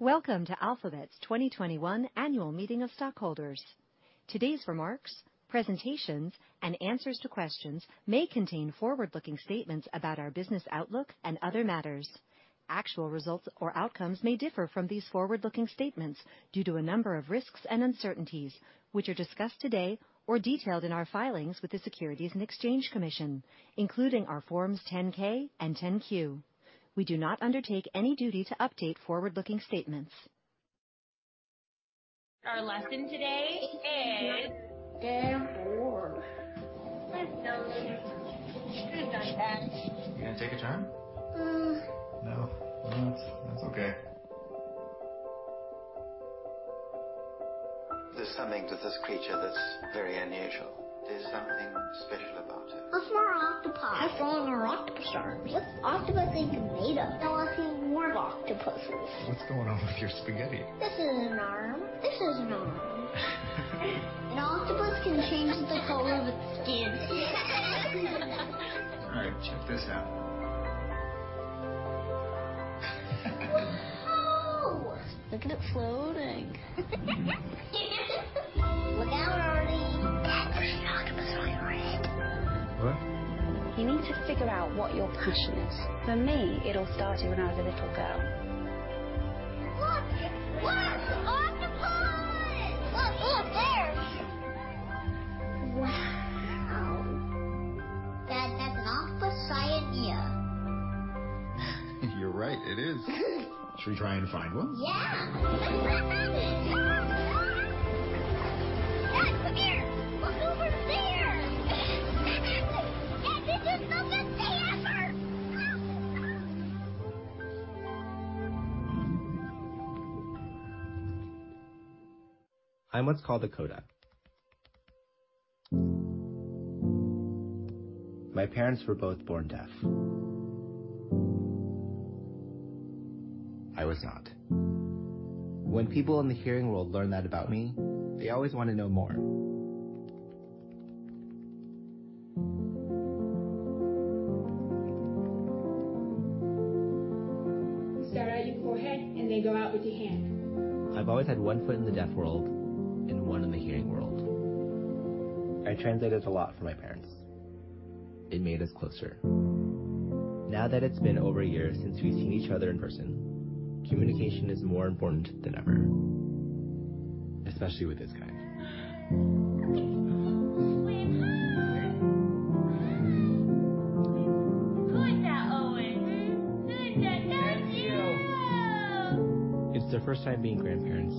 Welcome to Alphabet's 2021 Annual Meeting of Stockholders. Today's remarks, presentations, and answers to questions may contain forward-looking statements about our business outlook and other matters. Actual results or outcomes may differ from these forward-looking statements due to a number of risks and uncertainties, which are discussed today or detailed in our filings with the Securities and Exchange Commission, including our Forms 10-K and 10-Q. We do not undertake any duty to update forward-looking statements. Our lesson today is... Game forward. Let's go. Goodbye. You're going to take a turn? No, no, that's okay. There's something to this creature that's very unusual. There's something special about it. A small octopus. I'm saying an octopus arm. What octopus are you made of? No, I'll see more of octopuses. What's going on with your spaghetti? This is an arm. This is an arm. An octopus can change the color of its skin. All right, check this out. Whoa! Look at it floating. Look out, Arlie. That green octopus on your head. What? You need to figure out what your passion is. For me, it all started when I was a little girl. Look! Look! Octopus! Look, look, there! Wow. Dad, that's an octopus eye and ear. You're right, it is. Should we try and find one? Yeah! Dad, come here! Look over there! Dad, this is the best day ever! I'm what's called a CODA. My parents were both born deaf. I was not. When people in the hearing world learn that about me, they always want to know more. You start out your forehead and then go out with your hand. I've always had one foot in the deaf world and one in the hearing world. I translated a lot for my parents. It made us closer. Now that it's been over a year since we've seen each other in person, communication is more important than ever. Especially with this guy. Who is that, Owen? Who is that? That's you! It's their first time being grandparents,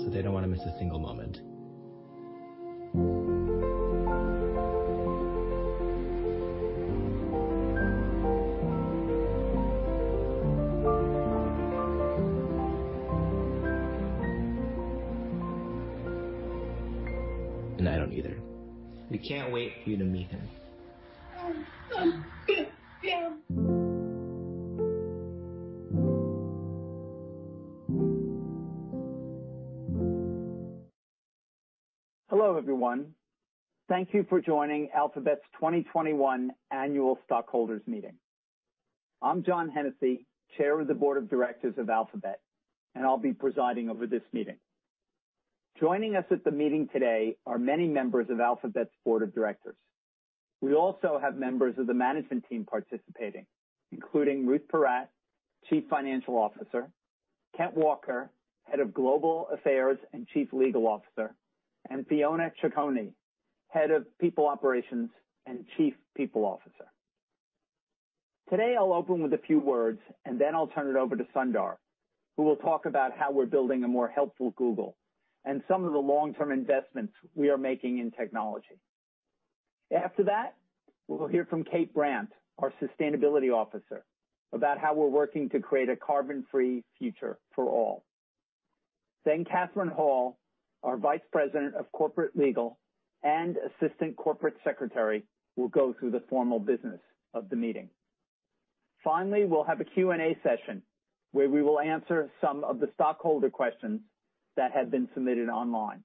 so they don't want to miss a single moment, and I don't either. We can't wait for you to meet him. Hello, everyone. Thank you for joining Alphabet's 2021 Annual Stockholders' Meeting. I'm John Hennessy, Chair of the Board of Directors of Alphabet, and I'll be presiding over this meeting. Joining us at the meeting today are many members of Alphabet's Board of Directors. We also have members of the management team participating, including Ruth Porat, Chief Financial Officer, Kent Walker, Head of Global Affairs and Chief Legal Officer, and Fiona Cicconi, Head of People Operations and Chief People Officer. Today, I'll open with a few words, and then I'll turn it over to Sundar, who will talk about how we're building a more helpful Google and some of the long-term investments we are making in technology. After that, we'll hear from Kate Brandt, our Sustainability Officer, about how we're working to create a carbon-free future for all. Then Kathryn Hall, our Vice President of Corporate Legal and Assistant Corporate Secretary, will go through the formal business of the meeting. Finally, we'll have a Q&A session where we will answer some of the stockholder questions that have been submitted online.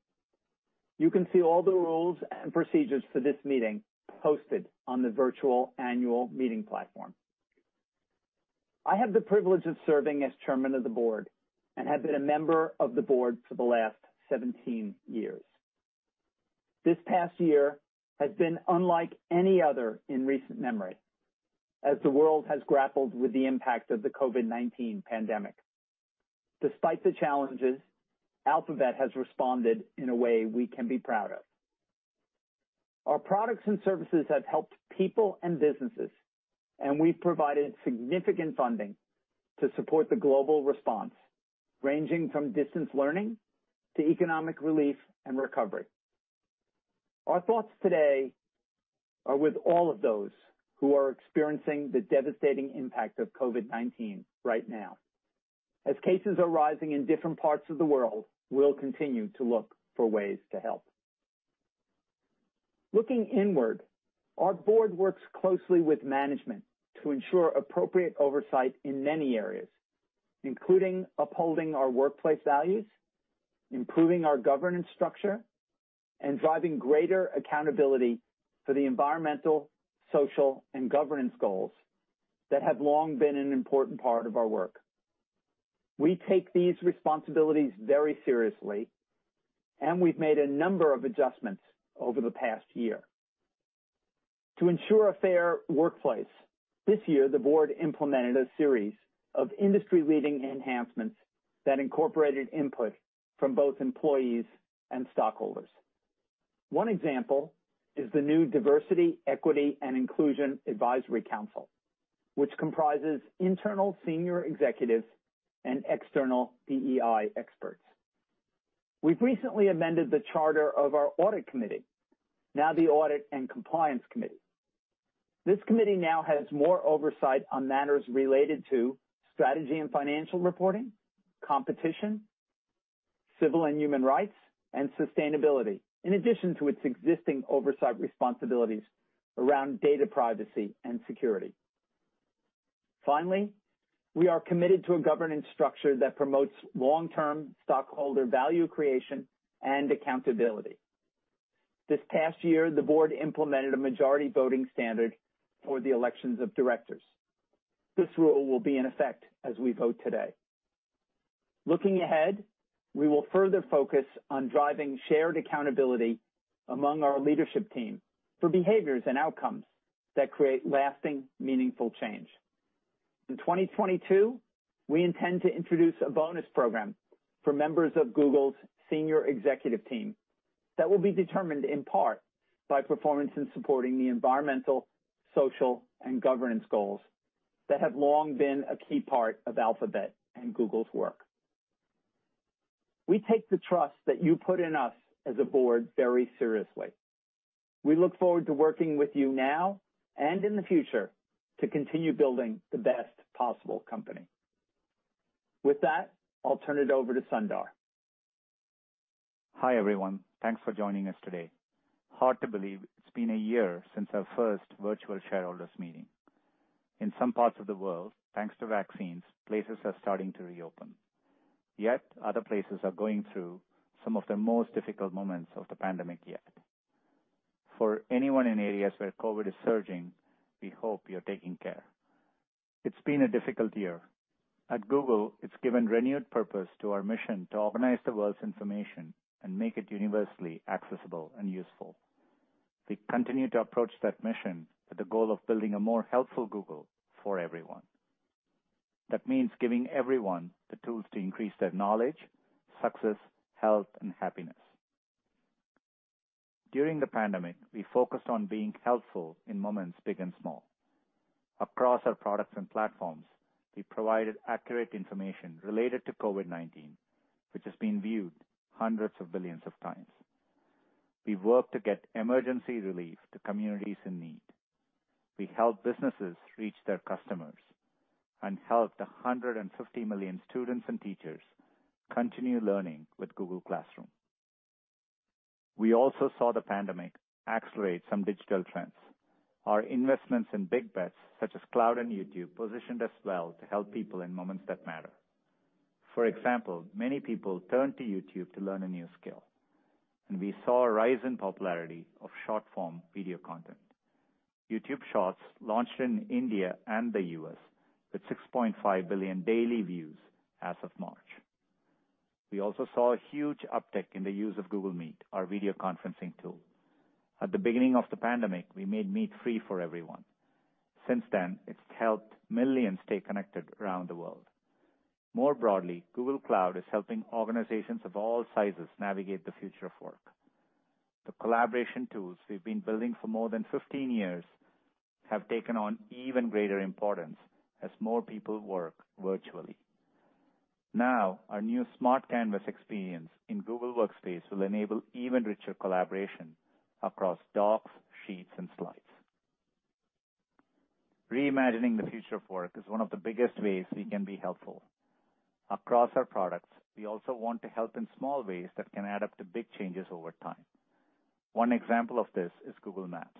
You can see all the rules and procedures for this meeting posted on the virtual annual meeting platform. I have the privilege of serving as Chairman of the Board and have been a member of the Board for the last 17 years. This past year has been unlike any other in recent memory, as the world has grappled with the impact of the COVID-19 pandemic. Despite the challenges, Alphabet has responded in a way we can be proud of. Our products and services have helped people and businesses, and we've provided significant funding to support the global response, ranging from distance learning to economic relief and recovery. Our thoughts today are with all of those who are experiencing the devastating impact of COVID-19 right now. As cases are rising in different parts of the world, we'll continue to look for ways to help. Looking inward, our Board works closely with management to ensure appropriate oversight in many areas, including upholding our workplace values, improving our governance structure, and driving greater accountability for the environmental, social, and governance goals that have long been an important part of our work. We take these responsibilities very seriously, and we've made a number of adjustments over the past year. To ensure a fair workplace, this year the Board implemented a series of industry-leading enhancements that incorporated input from both employees and stockholders. One example is the new Diversity, Equity, and Inclusion Advisory Council, which comprises internal senior executives and external DEI experts. We've recently amended the charter of our Audit Committee, now the Audit and Compliance Committee. This committee now has more oversight on matters related to strategy and financial reporting, competition, civil and human rights, and sustainability, in addition to its existing oversight responsibilities around data privacy and security. Finally, we are committed to a governance structure that promotes long-term stockholder value creation and accountability. This past year, the Board implemented a majority voting standard for the elections of directors. This rule will be in effect as we vote today. Looking ahead, we will further focus on driving shared accountability among our leadership team for behaviors and outcomes that create lasting, meaningful change. In 2022, we intend to introduce a bonus program for members of Google's senior executive team that will be determined in part by performance in supporting the environmental, social, and governance goals that have long been a key part of Alphabet and Google's work. We take the trust that you put in us as a Board very seriously. We look forward to working with you now and in the future to continue building the best possible company. With that, I'll turn it over to Sundar. Hi everyone. Thanks for joining us today. Hard to believe it's been a year since our first virtual shareholders' meeting. In some parts of the world, thanks to vaccines, places are starting to reopen. Yet other places are going through some of the most difficult moments of the pandemic yet. For anyone in areas where COVID is surging, we hope you're taking care. It's been a difficult year. At Google, it's given renewed purpose to our mission to organize the world's information and make it universally accessible and useful. We continue to approach that mission with the goal of building a more helpful Google for everyone. That means giving everyone the tools to increase their knowledge, success, health, and happiness. During the pandemic, we focused on being helpful in moments big and small. Across our products and platforms, we provided accurate information related to COVID-19, which has been viewed hundreds of billions of times. We worked to get emergency relief to communities in need. We helped businesses reach their customers and helped 150 million students and teachers continue learning with Google Classroom. We also saw the pandemic accelerate some digital trends. Our investments in big bets such as Cloud and YouTube positioned us well to help people in moments that matter. For example, many people turned to YouTube to learn a new skill. And we saw a rise in popularity of short-form video content. YouTube Shorts launched in India and the U.S. with 6.5 billion daily views as of March. We also saw a huge uptick in the use of Google Meet, our video conferencing tool. At the beginning of the pandemic, we made Meet free for everyone. Since then, it's helped millions stay connected around the world. More broadly, Google Cloud is helping organizations of all sizes navigate the future of work. The collaboration tools we've been building for more than 15 years have taken on even greater importance as more people work virtually. Now, our new Smart Canvas experience in Google Workspace will enable even richer collaboration across Docs, Sheets, and Slides. Reimagining the future of work is one of the biggest ways we can be helpful. Across our products, we also want to help in small ways that can add up to big changes over time. One example of this is Google Maps.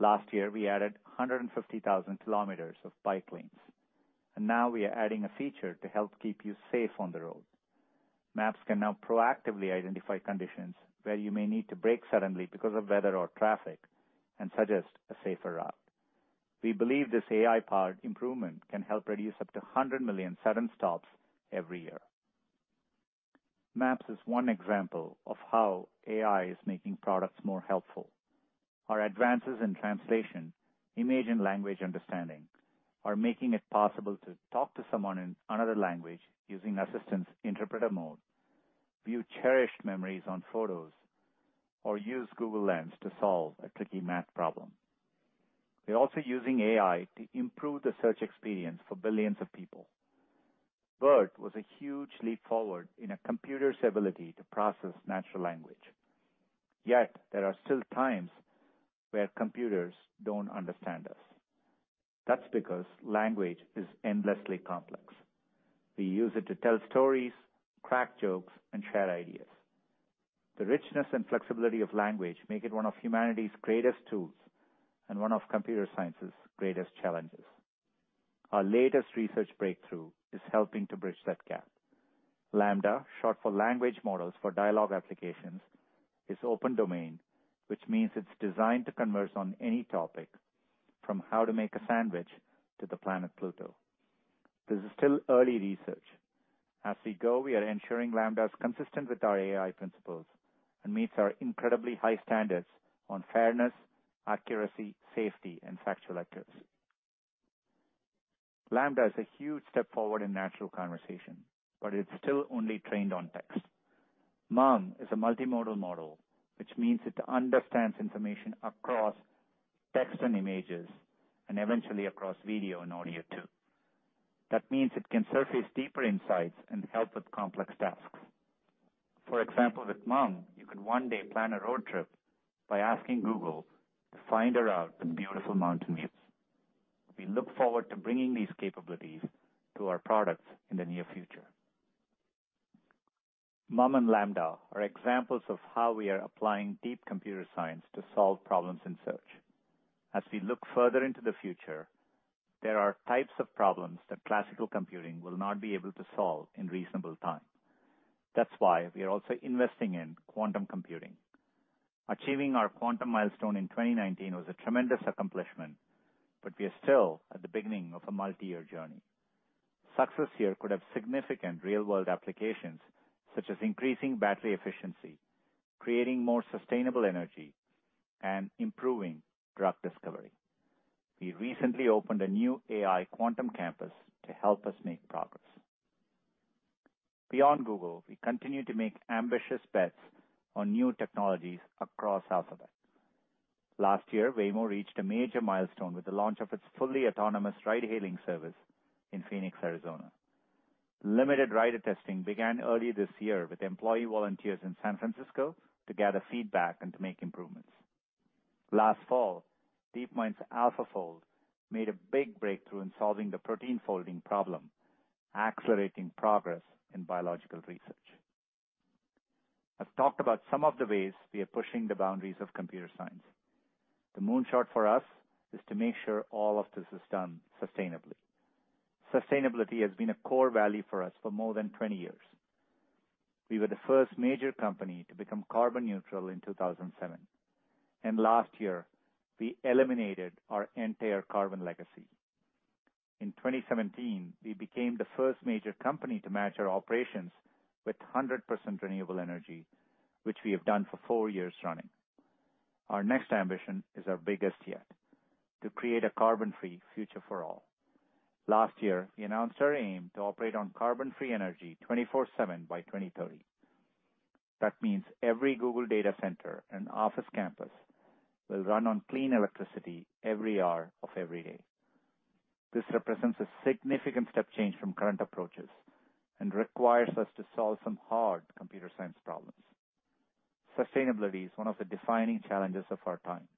Last year, we added 150,000 km of bike lanes. And now we are adding a feature to help keep you safe on the road. Maps can now proactively identify conditions where you may need to brake suddenly because of weather or traffic and suggest a safer route. We believe this AI-powered improvement can help reduce up to 100 million sudden stops every year. Maps is one example of how AI is making products more helpful. Our advances in translation, image, and language understanding are making it possible to talk to someone in another language using Assistant's interpreter mode, view cherished memories on photos, or use Google Lens to solve a tricky math problem. We're also using AI to improve the search experience for billions of people. BERT was a huge leap forward in a computer's ability to process natural language. Yet there are still times where computers don't understand us. That's because language is endlessly complex. We use it to tell stories, crack jokes, and share ideas. The richness and flexibility of language make it one of humanity's greatest tools and one of computer science's greatest challenges. Our latest research breakthrough is helping to bridge that gap. LaMDA, short for Language Models for Dialogue Applications, is open domain, which means it's designed to converse on any topic, from how to make a sandwich to the planet Pluto. This is still early research. As we go, we are ensuring LaMDA is consistent with our AI Principles and meets our incredibly high standards on fairness, accuracy, safety, and factual accuracy. LaMDA is a huge step forward in natural conversation, but it's still only trained on text. MUM is a multimodal model, which means it understands information across text and images and eventually across video and audio too. That means it can surface deeper insights and help with complex tasks. For example, with MUM, you could one day plan a road trip by asking Google to find a route with beautiful mountain views. We look forward to bringing these capabilities to our products in the near future. MUM and LaMDA are examples of how we are applying deep computer science to solve problems in search. As we look further into the future, there are types of problems that classical computing will not be able to solve in reasonable time. That's why we are also investing in quantum computing. Achieving our quantum milestone in 2019 was a tremendous accomplishment, but we are still at the beginning of a multi-year journey. Success here could have significant real-world applications, such as increasing battery efficiency, creating more sustainable energy, and improving drug discovery. We recently opened a new AI quantum campus to help us make progress. Beyond Google, we continue to make ambitious bets on new technologies across Alphabet. Last year, Waymo reached a major milestone with the launch of its fully autonomous ride-hailing service in Phoenix, Arizona. Limited rider testing began early this year with employee volunteers in San Francisco to gather feedback and to make improvements. Last fall, DeepMind's AlphaFold made a big breakthrough in solving the protein folding problem, accelerating progress in biological research. I've talked about some of the ways we are pushing the boundaries of computer science. The moonshot for us is to make sure all of this is done sustainably. Sustainability has been a core value for us for more than 20 years. We were the first major company to become carbon neutral in 2007, and last year, we eliminated our entire carbon legacy. In 2017, we became the first major company to match our operations with 100% renewable energy, which we have done for four years running. Our next ambition is our biggest yet: to create a carbon-free future for all. Last year, we announced our aim to operate on carbon-free energy 24/7 by 2030. That means every Google data center and office campus will run on clean electricity every hour of every day. This represents a significant step change from current approaches and requires us to solve some hard computer science problems. Sustainability is one of the defining challenges of our time,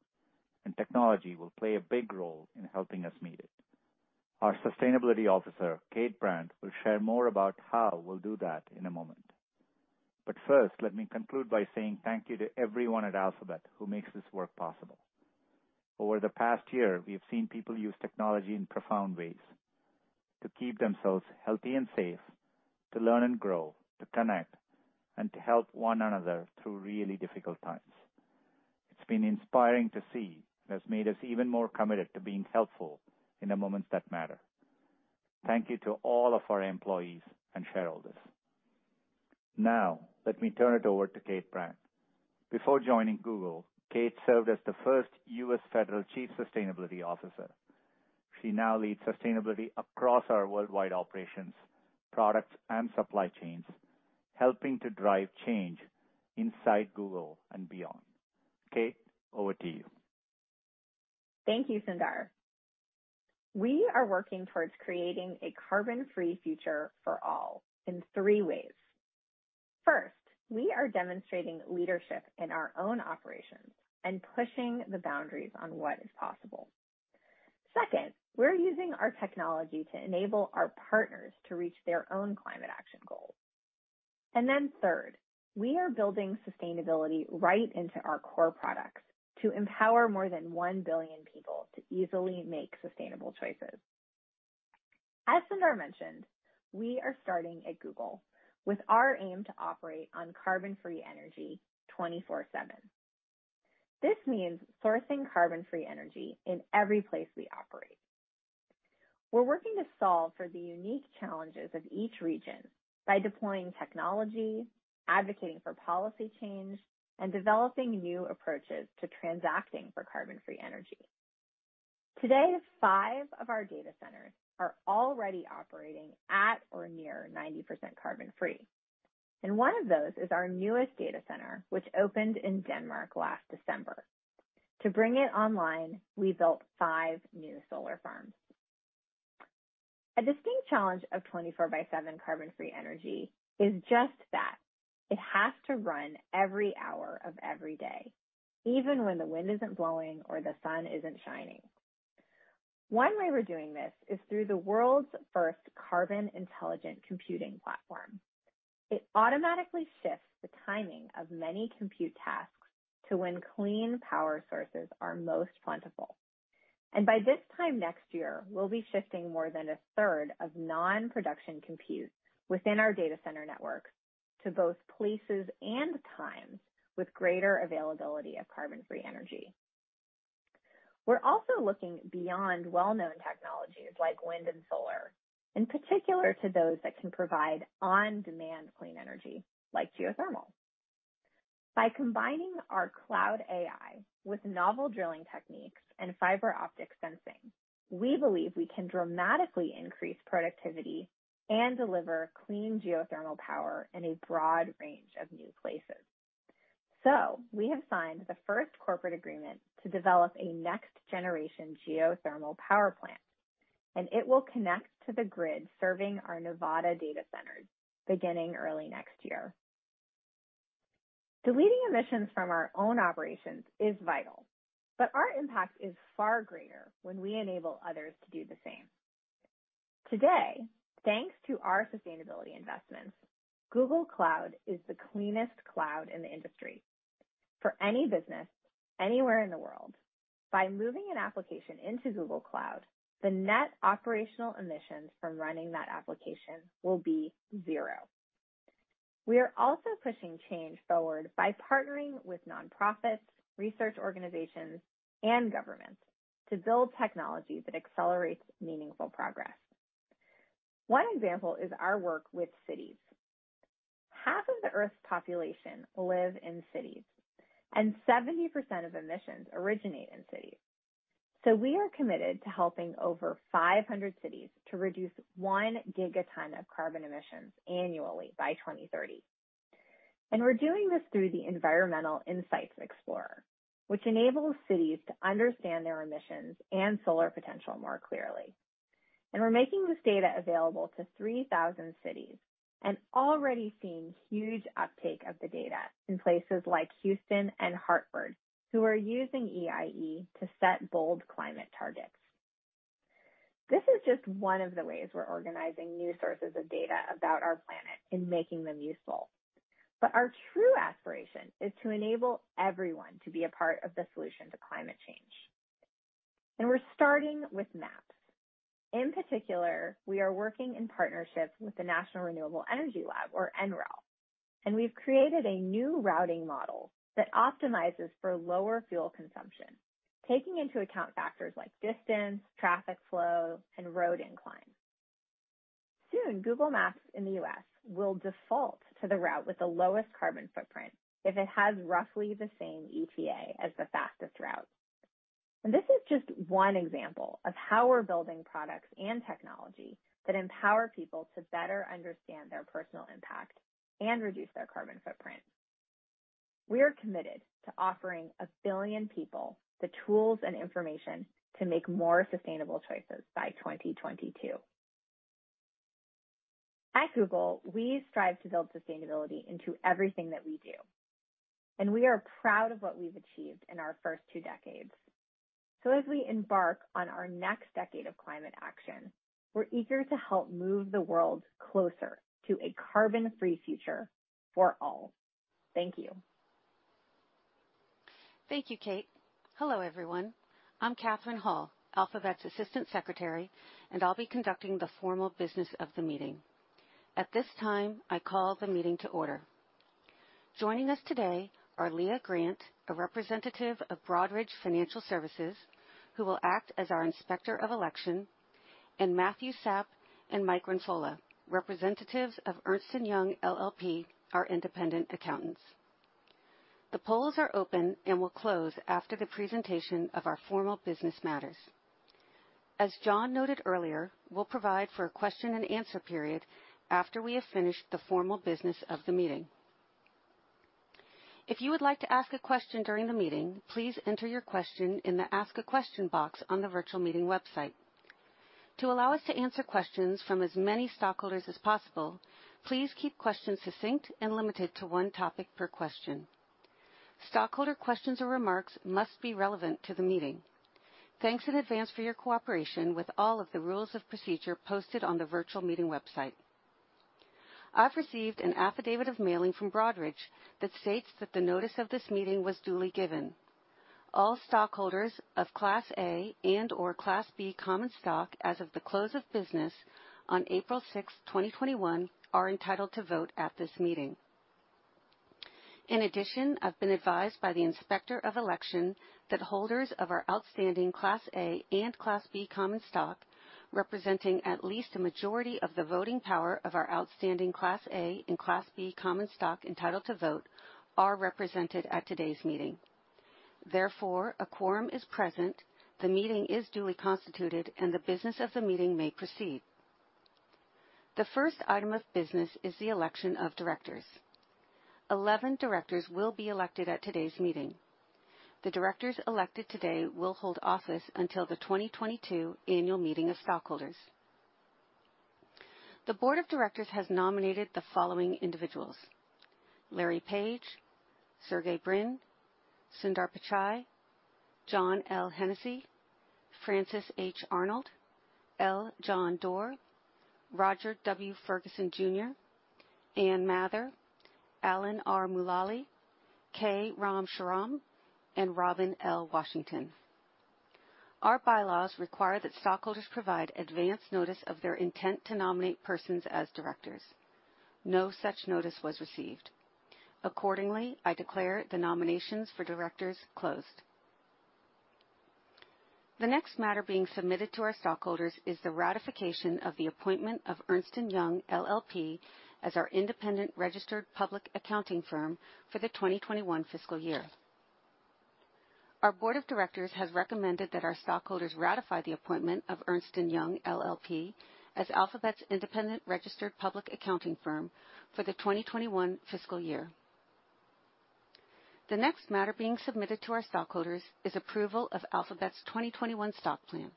and technology will play a big role in helping us meet it. Our Sustainability Officer, Kate Brandt, will share more about how we'll do that in a moment, but first, let me conclude by saying thank you to everyone at Alphabet who makes this work possible. Over the past year, we have seen people use technology in profound ways to keep themselves healthy and safe, to learn and grow, to connect, and to help one another through really difficult times. It's been inspiring to see and has made us even more committed to being helpful in the moments that matter. Thank you to all of our employees and shareholders. Now, let me turn it over to Kate Brandt. Before joining Google, Kate served as the first U.S. federal Chief Sustainability Officer. She now leads sustainability across our worldwide operations, products, and supply chains, helping to drive change inside Google and beyond. Kate, over to you. Thank you, Sundar. We are working towards creating a carbon-free future for all in three ways. First, we are demonstrating leadership in our own operations and pushing the boundaries on what is possible. Second, we're using our technology to enable our partners to reach their own climate action goals. And then third, we are building sustainability right into our core products to empower more than one billion people to easily make sustainable choices. As Sundar mentioned, we are starting at Google with our aim to operate on carbon-free energy 24/7. This means sourcing carbon-free energy in every place we operate. We're working to solve for the unique challenges of each region by deploying technology, advocating for policy change, and developing new approaches to transacting for carbon-free energy. Today, five of our data centers are already operating at or near 90% carbon-free. And one of those is our newest data center, which opened in Denmark last December. To bring it online, we built five new solar farms. A distinct challenge of 24/7 carbon-free energy is just that. It has to run every hour of every day, even when the wind isn't blowing or the sun isn't shining. One way we're doing this is through the world's first carbon-intelligent computing platform. It automatically shifts the timing of many compute tasks to when clean power sources are most plentiful. And by this time next year, we'll be shifting more than a third of non-production compute within our data center networks to both places and times with greater availability of carbon-free energy. We're also looking beyond well-known technologies like wind and solar, in particular to those that can provide on-demand clean energy, like geothermal. By combining our cloud AI with novel drilling techniques and fiber optic sensing, we believe we can dramatically increase productivity and deliver clean geothermal power in a broad range of new places. So we have signed the first corporate agreement to develop a next-generation geothermal power plant. And it will connect to the grid serving our Nevada data centers beginning early next year. Eliminating emissions from our own operations is vital. But our impact is far greater when we enable others to do the same. Today, thanks to our sustainability investments, Google Cloud is the cleanest cloud in the industry for any business anywhere in the world. By moving an application into Google Cloud, the net operational emissions from running that application will be zero. We are also pushing change forward by partnering with nonprofits, research organizations, and governments to build technology that accelerates meaningful progress. One example is our work with cities. Half of the Earth's population lives in cities, and 70% of emissions originate in cities. So we are committed to helping over 500 cities to reduce one gigaton of carbon emissions annually by 2030. And we're doing this through the Environmental Insights Explorer, which enables cities to understand their emissions and solar potential more clearly. And we're making this data available to 3,000 cities and already seeing huge uptake of the data in places like Houston and Hartford, who are using EIE to set bold climate targets. This is just one of the ways we're organizing new sources of data about our planet and making them useful. But our true aspiration is to enable everyone to be a part of the solution to climate change. And we're starting with maps. In particular, we are working in partnership with the National Renewable Energy Lab, or NREL. And we've created a new routing model that optimizes for lower fuel consumption, taking into account factors like distance, traffic flow, and road incline. Soon, Google Maps in the U.S. will default to the route with the lowest carbon footprint if it has roughly the same ETA as the fastest route. And this is just one example of how we're building products and technology that empower people to better understand their personal impact and reduce their carbon footprint. We are committed to offering a billion people the tools and information to make more sustainable choices by 2022. At Google, we strive to build sustainability into everything that we do. And we are proud of what we've achieved in our first two decades. As we embark on our next decade of climate action, we're eager to help move the world closer to a carbon-free future for all. Thank you. Thank you, Kate. Hello, everyone. I'm Kathryn Hall, Alphabet's Assistant Secretary, and I'll be conducting the formal business of the meeting. At this time, I call the meeting to order. Joining us today are Leah Grant, a representative of Broadridge Financial Services, who will act as our Inspector of Election, and Matthew Sapp and Mike Renzulli, representatives of Ernst & Young LLP, our independent accountants. The polls are open and will close after the presentation of our formal business matters. As John noted earlier, we'll provide for a question-and-answer period after we have finished the formal business of the meeting. If you would like to ask a question during the meeting, please enter your question in the Ask a Question box on the virtual meeting website. To allow us to answer questions from as many stockholders as possible, please keep questions succinct and limited to one topic per question. Stockholder questions or remarks must be relevant to the meeting. Thanks in advance for your cooperation with all of the rules of procedure posted on the virtual meeting website. I've received an affidavit of mailing from Broadridge that states that the notice of this meeting was duly given. All stockholders of Class A and/or Class B Common Stock as of the close of business on April 6, 2021, are entitled to vote at this meeting. In addition, I've been advised by the Inspector of Election that holders of our outstanding Class A and Class B Common Stock, representing at least a majority of the voting power of our outstanding Class A and Class B Common Stock entitled to vote, are represented at today's meeting. Therefore, a quorum is present, the meeting is duly constituted, and the business of the meeting may proceed. The first item of business is the election of directors. Eleven directors will be elected at today's meeting. The directors elected today will hold office until the 2022 annual meeting of stockholders. The Board of Directors has nominated the following individuals: Larry Page, Sergey Brin, Sundar Pichai, John L. Hennessy, Frances H. Arnold, L. John Doerr, Roger W. Ferguson, Jr., Ann Mather, Alan R. Mulally, K. Ram Shriram, and Robin L. Washington. Our bylaws require that stockholders provide advance notice of their intent to nominate persons as directors. No such notice was received. Accordingly, I declare the nominations for directors closed. The next matter being submitted to our stockholders is the ratification of the appointment of Ernst & Young LLP as our independent registered public accounting firm for the 2021 fiscal year. Our Board of Directors has recommended that our stockholders ratify the appointment of Ernst & Young LLP as Alphabet's independent registered public accounting firm for the 2021 fiscal year. The next matter being submitted to our stockholders is approval of Alphabet's 2021 stock plan.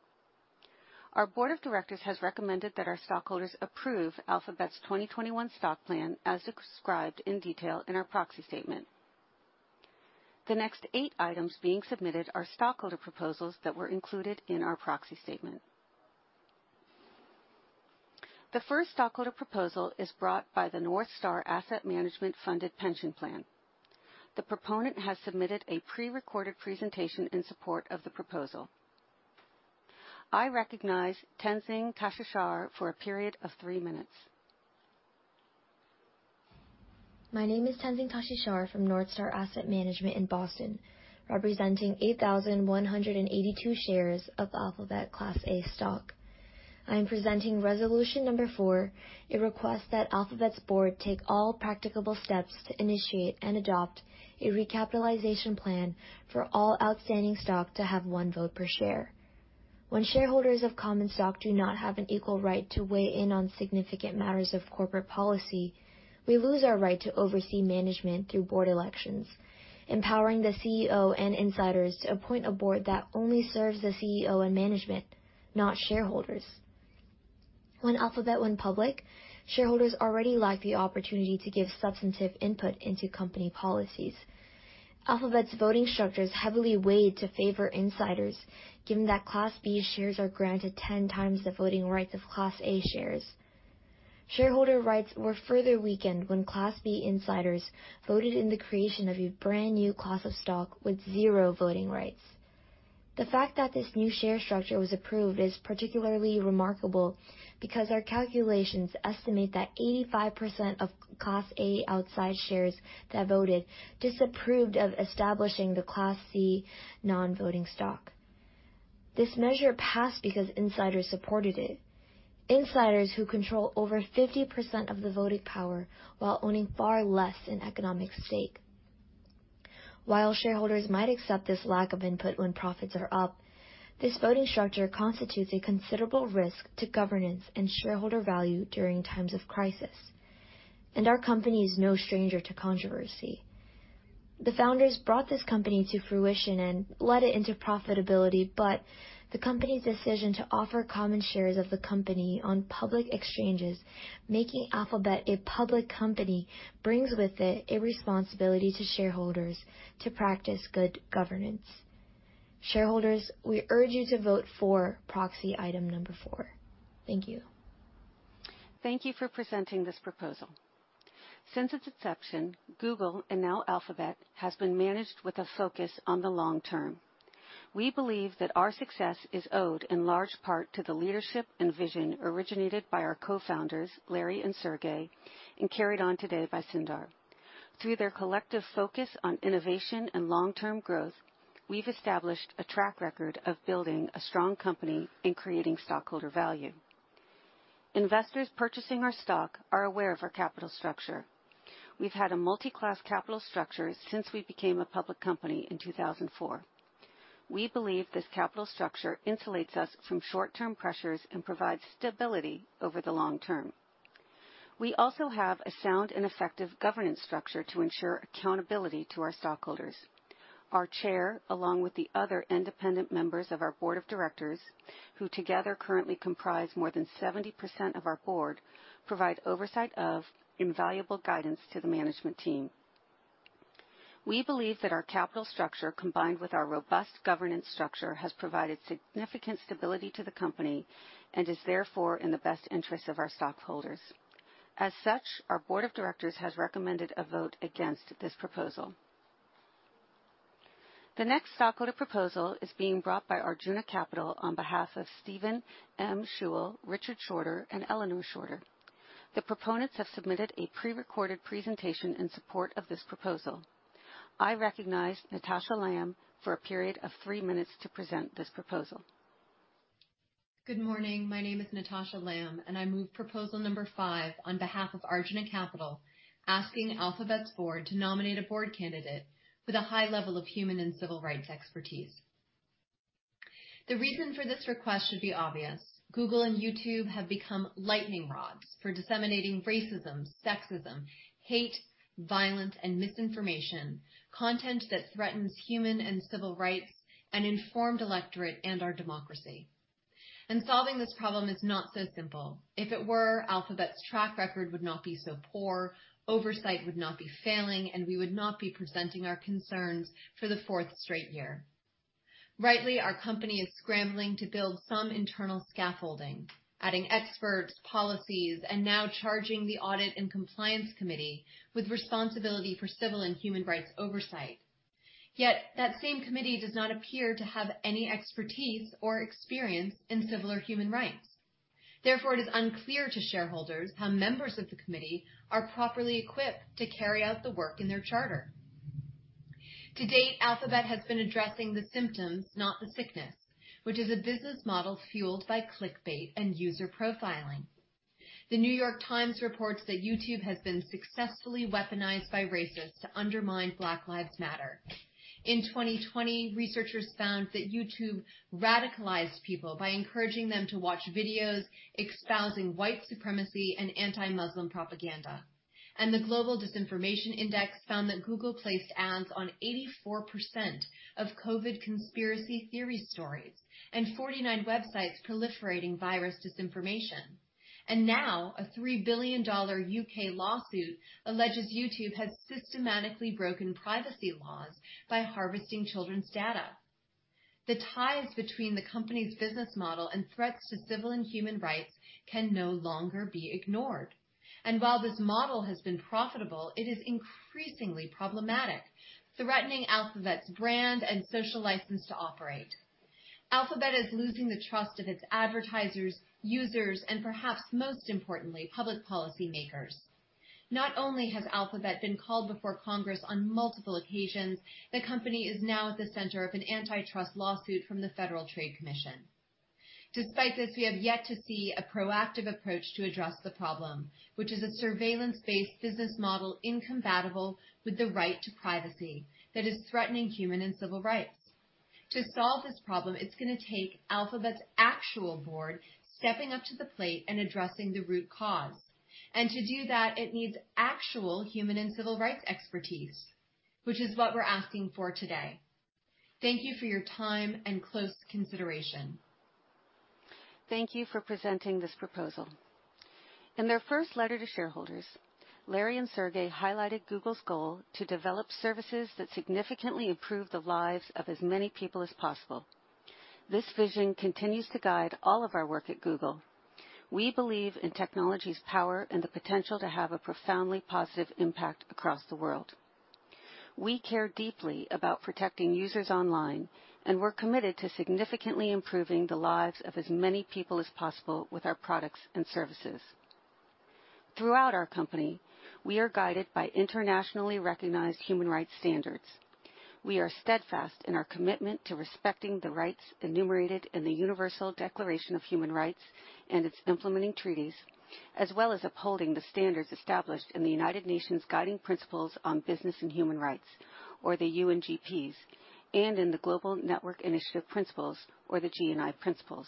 Our Board of Directors has recommended that our stockholders approve Alphabet's 2021 stock plan as described in detail in our proxy statement. The next eight items being submitted are stockholder proposals that were included in our proxy statement. The first stockholder proposal is brought by the NorthStar Asset Management Funded Pension Plan. The proponent has submitted a prerecorded presentation in support of the proposal. I recognize Tenzing Tashishar for a period of three minutes. My name is Tenzing Chadotsang from NorthStar Asset Management in Boston, representing 8,182 shares of Alphabet Class A stock. I am presenting Resolution Number 4, a request that Alphabet's Board take all practicable steps to initiate and adopt a recapitalization plan for all outstanding stock to have one vote per share. When shareholders of common stock do not have an equal right to weigh in on significant matters of corporate policy, we lose our right to oversee management through board elections, empowering the CEO and insiders to appoint a board that only serves the CEO and management, not shareholders. When Alphabet went public, shareholders already lacked the opportunity to give substantive input into company policies. Alphabet's voting structures heavily weighed to favor insiders, given that Class B shares are granted 10 times the voting rights of Class A shares. Shareholder rights were further weakened when Class B insiders voted in the creation of a brand new class of stock with zero voting rights. The fact that this new share structure was approved is particularly remarkable because our calculations estimate that 85% of Class A outside shares that voted disapproved of establishing the Class C non-voting stock. This measure passed because insiders supported it, insiders who control over 50% of the voting power while owning far less in economic stake. While shareholders might accept this lack of input when profits are up, this voting structure constitutes a considerable risk to governance and shareholder value during times of crisis, and our company is no stranger to controversy. The founders brought this company to fruition and led it into profitability, but the company's decision to offer common shares of the company on public exchanges, making Alphabet a public company, brings with it a responsibility to shareholders to practice good governance. Shareholders, we urge you to vote for proxy item number four. Thank you. Thank you for presenting this proposal. Since its inception, Google, and now Alphabet, has been managed with a focus on the long term. We believe that our success is owed in large part to the leadership and vision originated by our co-founders, Larry and Sergey, and carried on today by Sundar. Through their collective focus on innovation and long-term growth, we've established a track record of building a strong company and creating stockholder value. Investors purchasing our stock are aware of our capital structure. We've had a multi-class capital structure since we became a public company in 2004. We believe this capital structure insulates us from short-term pressures and provides stability over the long term. We also have a sound and effective governance structure to ensure accountability to our stockholders. Our chair, along with the other independent members of our Board of Directors, who together currently comprise more than 70% of our board, provide oversight of and valuable guidance to the management team. We believe that our capital structure, combined with our robust governance structure, has provided significant stability to the company and is therefore in the best interest of our stockholders. As such, our Board of Directors has recommended a vote against this proposal. The next stockholder proposal is being brought by Arjuna Capital on behalf of Steven M. Schewe, Richard Shorter, and Eleanor Shorter. The proponents have submitted a prerecorded presentation in support of this proposal. I recognize Natasha Lamb for a period of three minutes to present this proposal. Good morning. My name is Natasha Lamb, and I move proposal number five on behalf of Arjuna Capital asking Alphabet's Board to nominate a board candidate with a high level of human and civil rights expertise. The reason for this request should be obvious. Google and YouTube have become lightning rods for disseminating racism, sexism, hate, violence, and misinformation, content that threatens human and civil rights, an informed electorate, and our democracy. And solving this problem is not so simple. If it were, Alphabet's track record would not be so poor, oversight would not be failing, and we would not be presenting our concerns for the fourth straight year. Rightly, our company is scrambling to build some internal scaffolding, adding experts, policies, and now charging the audit and compliance committee with responsibility for civil and human rights oversight. Yet that same committee does not appear to have any expertise or experience in civil or human rights. Therefore, it is unclear to shareholders how members of the committee are properly equipped to carry out the work in their charter. To date, Alphabet has been addressing the symptoms, not the sickness, which is a business model fueled by clickbait and user profiling. The New York Times reports that YouTube has been successfully weaponized by racists to undermine Black Lives Matter. In 2020, researchers found that YouTube radicalized people by encouraging them to watch videos espousing white supremacy and anti-Muslim propaganda. And the Global Disinformation Index found that Google placed ads on 84% of COVID conspiracy theory stories and 49 websites proliferating virus disinformation. And now, a $3 billion U.K. lawsuit alleges YouTube has systematically broken privacy laws by harvesting children's data. The ties between the company's business model and threats to civil and human rights can no longer be ignored, and while this model has been profitable, it is increasingly problematic, threatening Alphabet's brand and social license to operate. Alphabet is losing the trust of its advertisers, users, and perhaps most importantly, public policymakers. Not only has Alphabet been called before Congress on multiple occasions, the company is now at the center of an antitrust lawsuit from the Federal Trade Commission. Despite this, we have yet to see a proactive approach to address the problem, which is a surveillance-based business model incompatible with the right to privacy that is threatening human and civil rights. To solve this problem, it's going to take Alphabet's actual board stepping up to the plate and addressing the root cause. To do that, it needs actual human and civil rights expertise, which is what we're asking for today. Thank you for your time and close consideration. Thank you for presenting this proposal. In their first letter to shareholders, Larry and Sergey highlighted Google's goal to develop services that significantly improve the lives of as many people as possible. This vision continues to guide all of our work at Google. We believe in technology's power and the potential to have a profoundly positive impact across the world. We care deeply about protecting users online, and we're committed to significantly improving the lives of as many people as possible with our products and services. Throughout our company, we are guided by internationally recognized human rights standards. We are steadfast in our commitment to respecting the rights enumerated in the Universal Declaration of Human Rights and its implementing treaties, as well as upholding the standards established in the United Nations Guiding Principles on Business and Human Rights, or the UNGPs, and in the Global Network Initiative Principles, or the GNI Principles.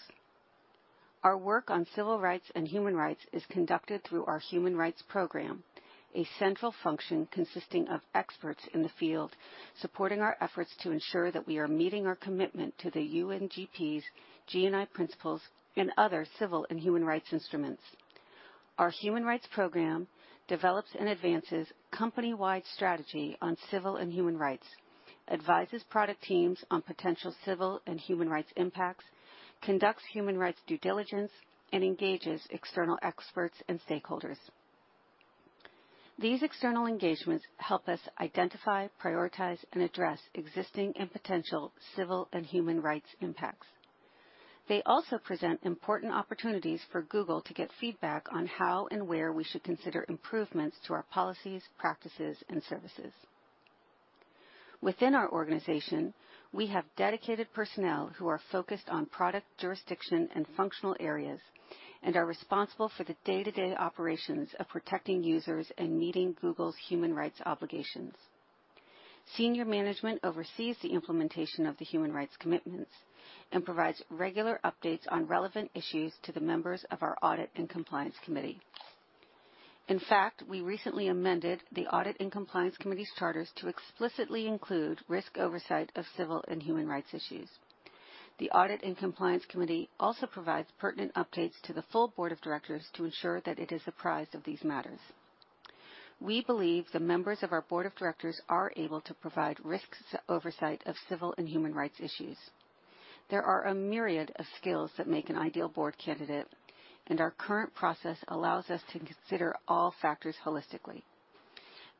Our work on civil rights and human rights is conducted through our Human Rights Program, a central function consisting of experts in the field supporting our efforts to ensure that we are meeting our commitment to the UNGPs, GNI Principles, and other civil and human rights instruments. Our Human Rights Program develops and advances company-wide strategy on civil and human rights, advises product teams on potential civil and human rights impacts, conducts human rights due diligence, and engages external experts and stakeholders. These external engagements help us identify, prioritize, and address existing and potential civil and human rights impacts. They also present important opportunities for Google to get feedback on how and where we should consider improvements to our policies, practices, and services. Within our organization, we have dedicated personnel who are focused on product jurisdiction and functional areas and are responsible for the day-to-day operations of protecting users and meeting Google's human rights obligations. Senior management oversees the implementation of the human rights commitments and provides regular updates on relevant issues to the members of our audit and compliance committee. In fact, we recently amended the audit and compliance committee's charters to explicitly include risk oversight of civil and human rights issues. The audit and compliance committee also provides pertinent updates to the full Board of Directors to ensure that it is apprised of these matters. We believe the members of our Board of Directors are able to provide risk oversight of civil and human rights issues. There are a myriad of skills that make an ideal board candidate, and our current process allows us to consider all factors holistically.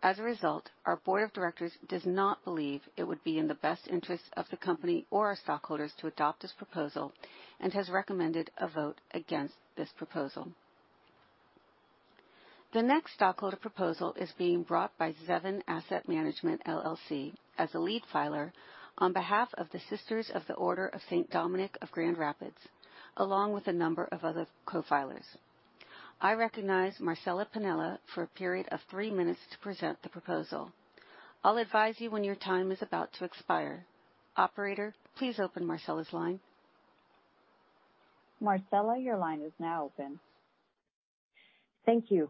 As a result, our Board of Directors does not believe it would be in the best interest of the company or our stockholders to adopt this proposal and has recommended a vote against this proposal. The next stockholder proposal is being brought by Zevin Asset Management, LLC, as a lead filer on behalf of the Sisters of the Order of St. Dominic of Grand Rapids, along with a number of other co-filers. I recognize Marcella Pinilla for a period of three minutes to present the proposal. I'll advise you when your time is about to expire. Operator, please open Marcella's line. Marcella, your line is now open. Thank you.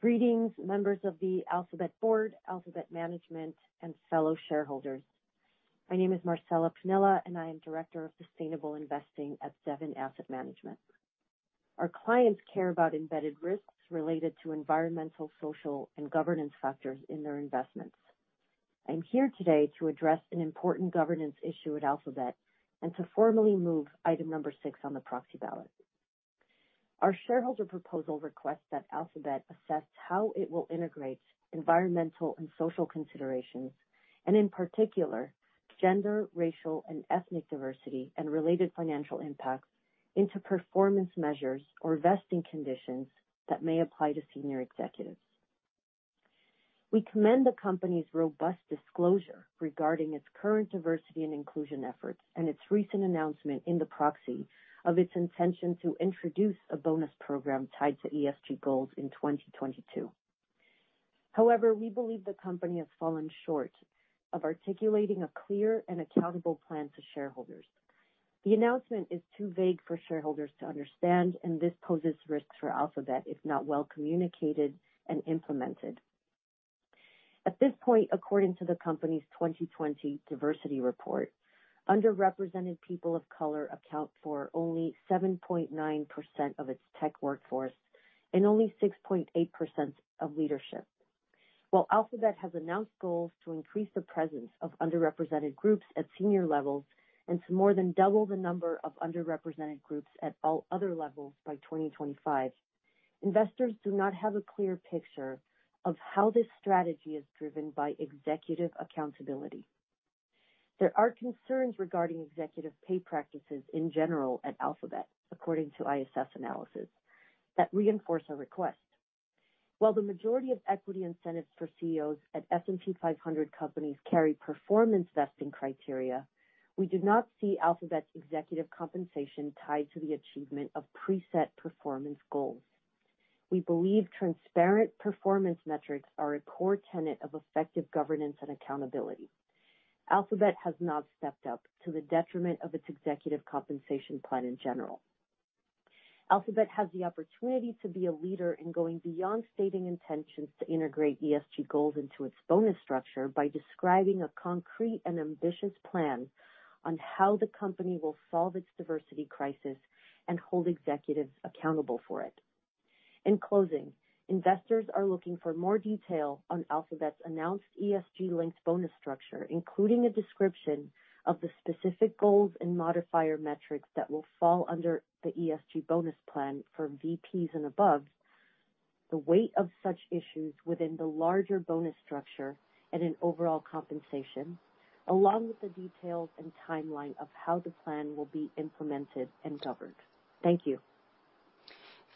Greetings, members of the Alphabet Board, Alphabet Management, and fellow shareholders. My name is Marcela Pinilla, and I am Director of Sustainable Investing at Zevin Asset Management. Our clients care about embedded risks related to environmental, social, and governance factors in their investments. I'm here today to address an important governance issue at Alphabet and to formally move item number six on the proxy ballot. Our shareholder proposal requests that Alphabet assess how it will integrate environmental and social considerations, and in particular, gender, racial, and ethnic diversity and related financial impacts into performance measures or vesting conditions that may apply to senior executives. We commend the company's robust disclosure regarding its current diversity and inclusion efforts and its recent announcement in the proxy of its intention to introduce a bonus program tied to ESG goals in 2022. However, we believe the company has fallen short of articulating a clear and accountable plan to shareholders. The announcement is too vague for shareholders to understand, and this poses risks for Alphabet if not well communicated and implemented. At this point, according to the company's 2020 diversity report, underrepresented people of color account for only 7.9% of its tech workforce and only 6.8% of leadership. While Alphabet has announced goals to increase the presence of underrepresented groups at senior levels and to more than double the number of underrepresented groups at all other levels by 2025, investors do not have a clear picture of how this strategy is driven by executive accountability. There are concerns regarding executive pay practices in general at Alphabet, according to ISS analysis, that reinforce our request. While the majority of equity incentives for CEOs at S&P 500 companies carry performance vesting criteria, we do not see Alphabet's executive compensation tied to the achievement of preset performance goals. We believe transparent performance metrics are a core tenet of effective governance and accountability. Alphabet has not stepped up to the detriment of its executive compensation plan in general. Alphabet has the opportunity to be a leader in going beyond stating intentions to integrate ESG goals into its bonus structure by describing a concrete and ambitious plan on how the company will solve its diversity crisis and hold executives accountable for it. In closing, investors are looking for more detail on Alphabet's announced ESG-linked bonus structure, including a description of the specific goals and modifier metrics that will fall under the ESG bonus plan for VPs and above, the weight of such issues within the larger bonus structure, and an overall compensation, along with the details and timeline of how the plan will be implemented and governed. Thank you.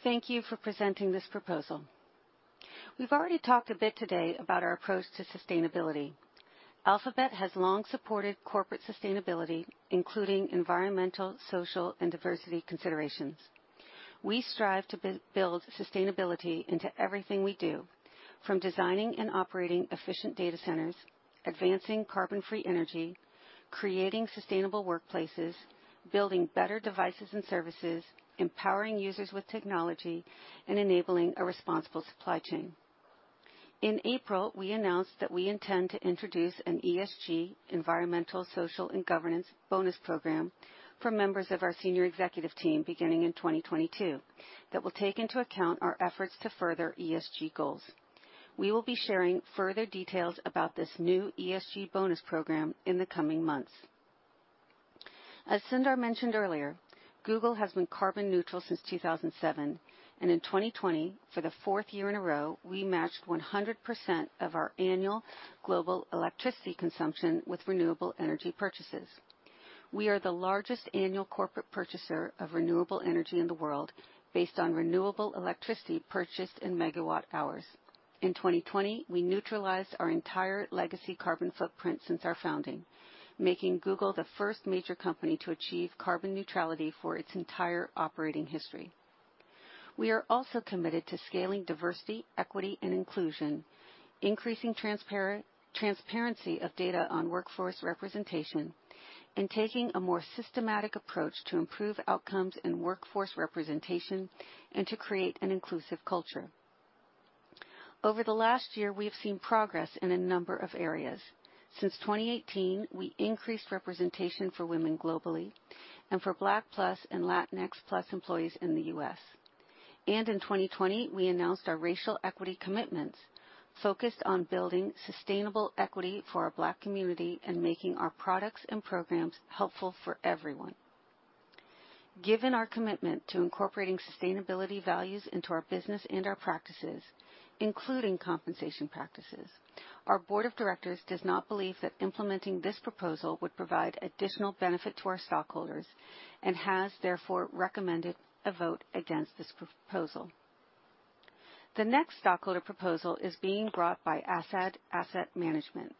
Thank you for presenting this proposal. We've already talked a bit today about our approach to sustainability. Alphabet has long supported corporate sustainability, including environmental, social, and diversity considerations. We strive to build sustainability into everything we do, from designing and operating efficient data centers, advancing carbon-free energy, creating sustainable workplaces, building better devices and services, empowering users with technology, and enabling a responsible supply chain. In April, we announced that we intend to introduce an ESG environmental, social, and governance bonus program for members of our senior executive team beginning in 2022 that will take into account our efforts to further ESG goals. We will be sharing further details about this new ESG bonus program in the coming months. As Sundar mentioned earlier, Google has been carbon neutral since 2007, and in 2020, for the fourth year in a row, we matched 100% of our annual global electricity consumption with renewable energy purchases. We are the largest annual corporate purchaser of renewable energy in the world based on renewable electricity purchased in megawatt hours. In 2020, we neutralized our entire legacy carbon footprint since our founding, making Google the first major company to achieve carbon neutrality for its entire operating history. We are also committed to scaling diversity, equity, and inclusion, increasing transparency of data on workforce representation, and taking a more systematic approach to improve outcomes in workforce representation and to create an inclusive culture. Over the last year, we have seen progress in a number of areas. Since 2018, we increased representation for women globally and for Black+ and Latinx+ employees in the U.S. In 2020, we announced our racial equity commitments focused on building sustainable equity for our Black community and making our products and programs helpful for everyone. Given our commitment to incorporating sustainability values into our business and our practices, including compensation practices, our Board of Directors does not believe that implementing this proposal would provide additional benefit to our stockholders and has, therefore, recommended a vote against this proposal. The next stockholder proposal is being brought by Azzad Asset Management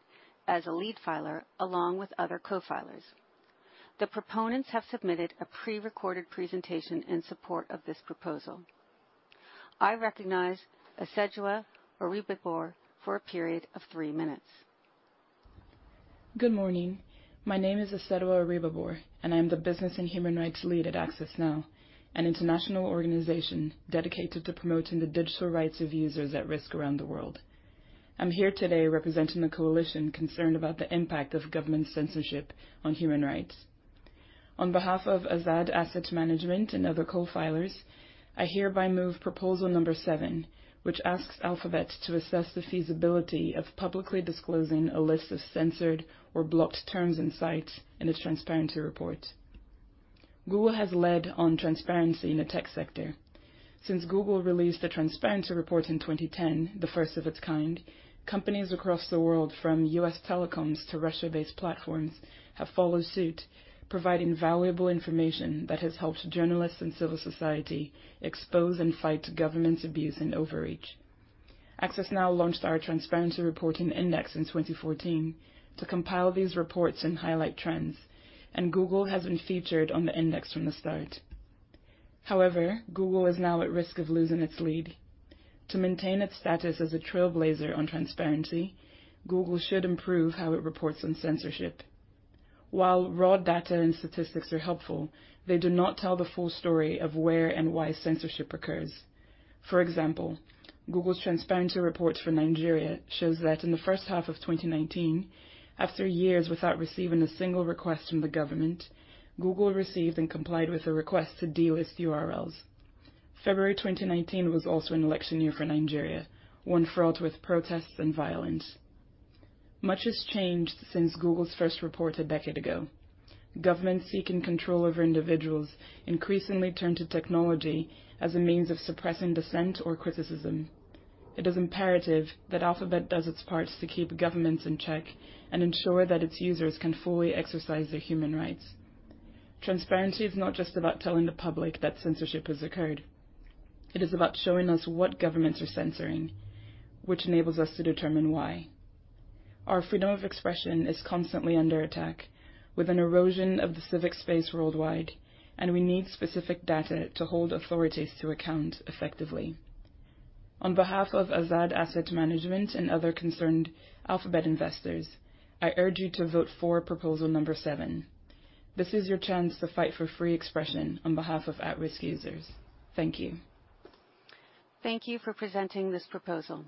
as a lead filer along with other co-filers. The proponents have submitted a pre-recorded presentation in support of this proposal. I recognize Isedua Oribhabor for a period of three minutes. Good morning. My name is Isedua Oribhabor, and I'm the business and human rights lead at Access Now, an international organization dedicated to promoting the digital rights of users at risk around the world. I'm here today representing the coalition concerned about the impact of government censorship on human rights. On behalf of Azzad Asset Management and other co-filers, I hereby move proposal number 7, which asks Alphabet to assess the feasibility of publicly disclosing a list of censored or blocked terms and sites in a transparency report. Google has led on transparency in the tech sector. Since Google released a transparency report in 2010, the first of its kind, companies across the world, from U.S. telecoms to Russia-based platforms, have followed suit, providing valuable information that has helped journalists and civil society expose and fight government abuse and overreach. Access Now launched our transparency reporting index in 2014 to compile these reports and highlight trends, and Google has been featured on the index from the start. However, Google is now at risk of losing its lead. To maintain its status as a trailblazer on transparency, Google should improve how it reports on censorship. While raw data and statistics are helpful, they do not tell the full story of where and why censorship occurs. For example, Google's transparency report for Nigeria shows that in the first half of 2019, after years without receiving a single request from the government, Google received and complied with a request to de-list URLs. February 2019 was also an election year for Nigeria, one fraught with protests and violence. Much has changed since Google's first report a decade ago. Governments seeking control over individuals increasingly turn to technology as a means of suppressing dissent or criticism. It is imperative that Alphabet does its part to keep governments in check and ensure that its users can fully exercise their human rights. Transparency is not just about telling the public that censorship has occurred. It is about showing us what governments are censoring, which enables us to determine why. Our freedom of expression is constantly under attack with an erosion of the civic space worldwide, and we need specific data to hold authorities to account effectively. On behalf of Azzad Asset Management and other concerned Alphabet investors, I urge you to vote for proposal number seven. This is your chance to fight for free expression on behalf of at-risk users. Thank you. Thank you for presenting this proposal.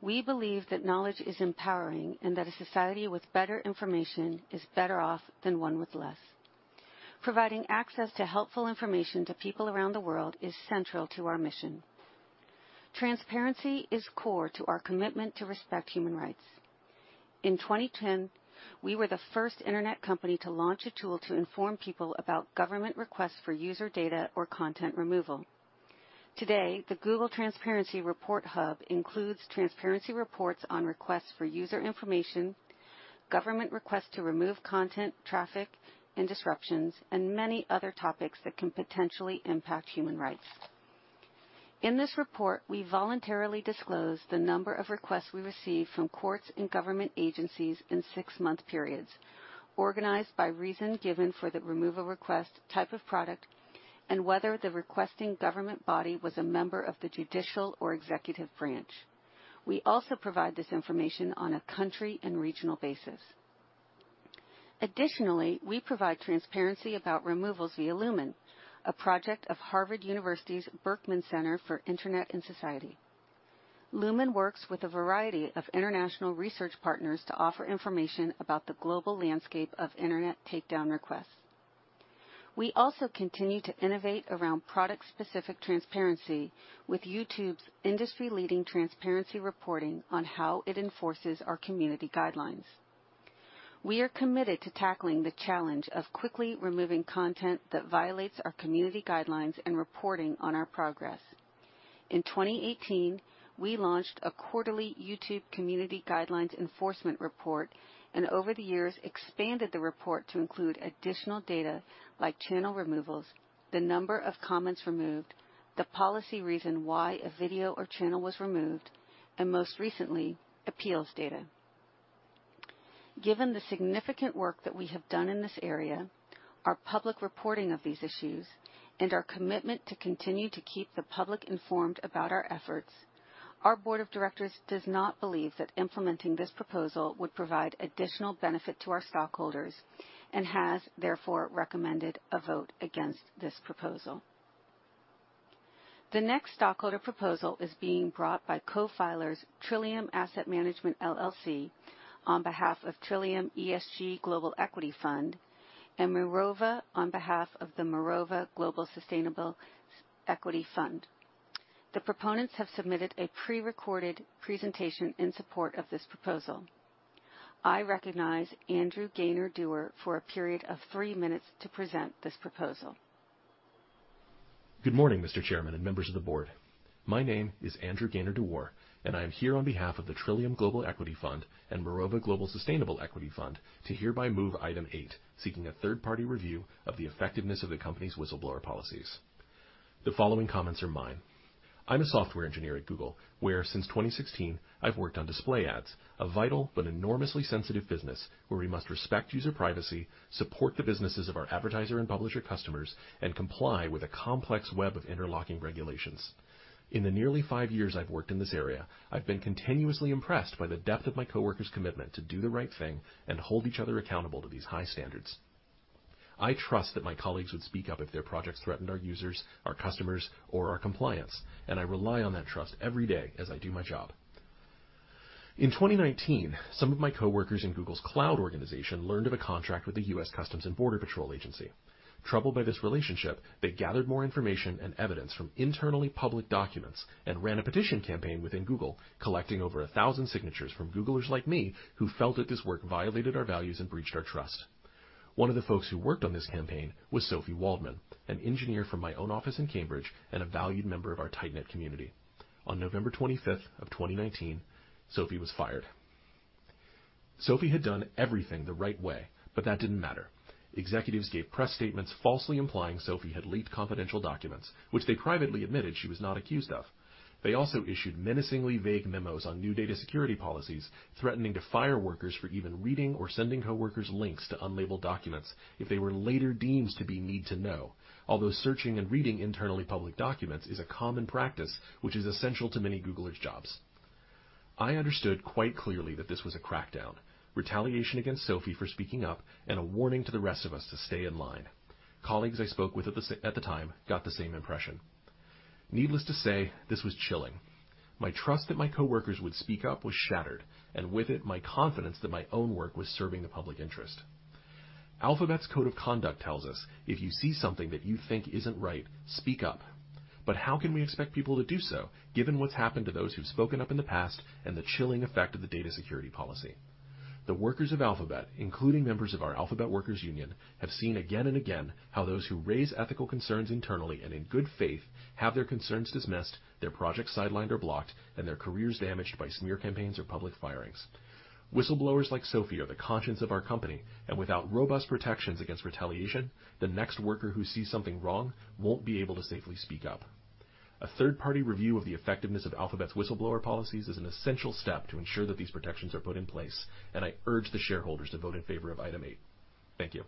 We believe that knowledge is empowering and that a society with better information is better off than one with less. Providing access to helpful information to people around the world is central to our mission. Transparency is core to our commitment to respect human rights. In 2010, we were the first internet company to launch a tool to inform people about government requests for user data or content removal. Today, the Google Transparency Report Hub includes transparency reports on requests for user information, government requests to remove content, traffic, and disruptions, and many other topics that can potentially impact human rights. In this report, we voluntarily disclose the number of requests we received from courts and government agencies in six-month periods, organized by reason given for the removal request, type of product, and whether the requesting government body was a member of the judicial or executive branch. We also provide this information on a country and regional basis. Additionally, we provide transparency about removals via Lumen, a project of Harvard University's Berkman Center for Internet and Society. Lumen works with a variety of international research partners to offer information about the global landscape of internet takedown requests. We also continue to innovate around product-specific transparency with YouTube's industry-leading transparency reporting on how it enforces our Community Guidelines. We are committed to tackling the challenge of quickly removing content that violates our Community Guidelines and reporting on our progress. In 2018, we launched a quarterly YouTube Community Guidelines Enforcement Report and over the years expanded the report to include additional data like channel removals, the number of comments removed, the policy reason why a video or channel was removed, and most recently, appeals data. Given the significant work that we have done in this area, our public reporting of these issues, and our commitment to continue to keep the public informed about our efforts, our Board of Directors does not believe that implementing this proposal would provide additional benefit to our stockholders and has, therefore, recommended a vote against this proposal. The next stockholder proposal is being brought by co-filers Trillium Asset Management LLC on behalf of Trillium ESG Global Equity Fund, and Mirova on behalf of the Mirova Global Sustainable Equity Fund. The proponents have submitted a pre-recorded presentation in support of this proposal. I recognize Andrew Gainer-Dewar for a period of three minutes to present this proposal. Good morning, Mr. Chairman and members of the board. My name is Andrew Gainer-Dewar, and I am here on behalf of the Trillium Global Equity Fund and Mirova Global Sustainable Equity Fund to hereby move item 8, seeking a third-party review of the effectiveness of the company's whistleblower policies. The following comments are mine. I'm a software engineer at Google, where since 2016, I've worked on display ads, a vital but enormously sensitive business where we must respect user privacy, support the businesses of our advertiser and publisher customers, and comply with a complex web of interlocking regulations. In the nearly five years I've worked in this area, I've been continuously impressed by the depth of my coworkers' commitment to do the right thing and hold each other accountable to these high standards. I trust that my colleagues would speak up if their projects threatened our users, our customers, or our compliance, and I rely on that trust every day as I do my job. In 2019, some of my coworkers in Google's cloud organization learned of a contract with the U.S. Customs and Border Protection. Troubled by this relationship, they gathered more information and evidence from internal public documents and ran a petition campaign within Google, collecting over 1,000 signatures from Googlers like me who felt that this work violated our values and breached our trust. One of the folks who worked on this campaign was Sophie Waldman, an engineer from my own office in Cambridge and a valued member of our tight-knit community. On November 25th of 2019, Sophie was fired. Sophie had done everything the right way, but that didn't matter. Executives gave press statements falsely implying Sophie had leaked confidential documents, which they privately admitted she was not accused of. They also issued menacingly vague memos on new data security policies, threatening to fire workers for even reading or sending coworkers links to unlabeled documents if they were later deemed to be need-to-know, although searching and reading internally public documents is a common practice, which is essential to many Googlers' jobs. I understood quite clearly that this was a crackdown, retaliation against Sophie for speaking up, and a warning to the rest of us to stay in line. Colleagues I spoke with at the time got the same impression. Needless to say, this was chilling. My trust that my coworkers would speak up was shattered, and with it, my confidence that my own work was serving the public interest. Alphabet's Code of Conduct tells us, "If you see something that you think isn't right, speak up." But how can we expect people to do so, given what's happened to those who've spoken up in the past and the chilling effect of the data security policy? The workers of Alphabet, including members of our Alphabet Workers Union, have seen again and again how those who raise ethical concerns internally and in good faith have their concerns dismissed, their projects sidelined or blocked, and their careers damaged by smear campaigns or public firings. Whistleblowers like Sophie are the conscience of our company, and without robust protections against retaliation, the next worker who sees something wrong won't be able to safely speak up. A third-party review of the effectiveness of Alphabet's whistleblower policies is an essential step to ensure that these protections are put in place, and I urge the shareholders to vote in favor of item 8. Thank you.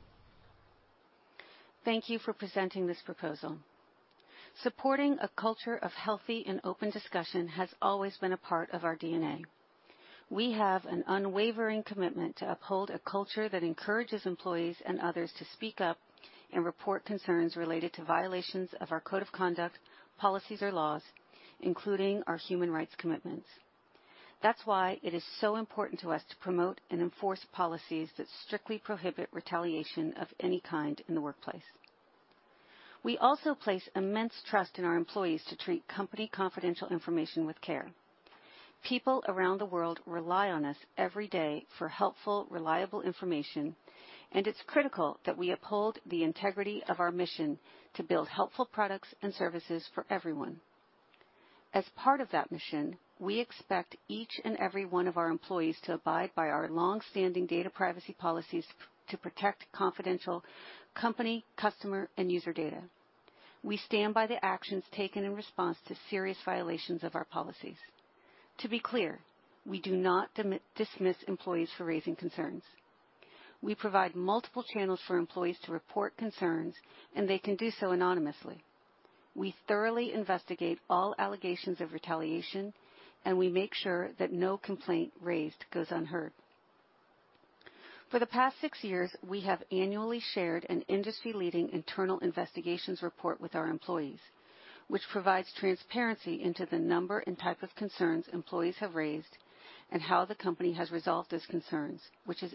Thank you for presenting this proposal. Supporting a culture of healthy and open discussion has always been a part of our DNA. We have an unwavering commitment to uphold a culture that encourages employees and others to speak up and report concerns related to violations of our code of conduct, policies, or laws, including our human rights commitments. That's why it is so important to us to promote and enforce policies that strictly prohibit retaliation of any kind in the workplace. We also place immense trust in our employees to treat company confidential information with care. People around the world rely on us every day for helpful, reliable information, and it's critical that we uphold the integrity of our mission to build helpful products and services for everyone. As part of that mission, we expect each and every one of our employees to abide by our long-standing data privacy policies to protect confidential company, customer, and user data. We stand by the actions taken in response to serious violations of our policies. To be clear, we do not dismiss employees for raising concerns. We provide multiple channels for employees to report concerns, and they can do so anonymously. We thoroughly investigate all allegations of retaliation, and we make sure that no complaint raised goes unheard. For the past six years, we have annually shared an industry-leading internal investigations report with our employees, which provides transparency into the number and type of concerns employees have raised and how the company has resolved those concerns, which is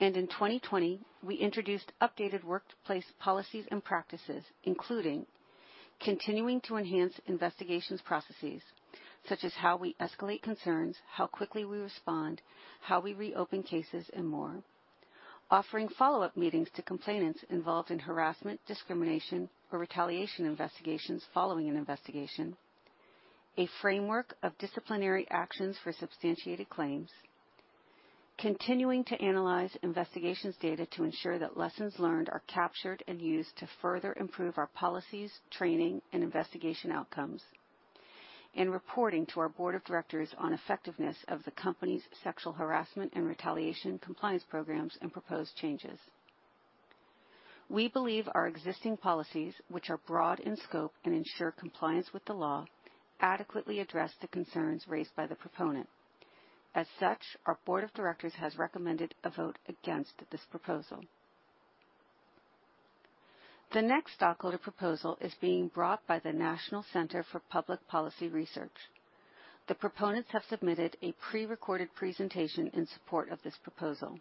industry-leading. In 2020, we introduced updated workplace policies and practices, including continuing to enhance investigations processes, such as how we escalate concerns, how quickly we respond, how we reopen cases, and more. Offering follow-up meetings to complainants involved in harassment, discrimination, or retaliation investigations following an investigation. A framework of disciplinary actions for substantiated claims. Continuing to analyze investigations data to ensure that lessons learned are captured and used to further improve our policies, training, and investigation outcomes. Reporting to our Board of Directors on effectiveness of the company's sexual harassment and retaliation compliance programs and proposed changes. We believe our existing policies, which are broad in scope and ensure compliance with the law, adequately address the concerns raised by the proponent. As such, our Board of Directors has recommended a vote against this proposal. The next stockholder proposal is being brought by the National Center for Public Policy Research. The proponents have submitted a pre-recorded presentation in support of this proposal.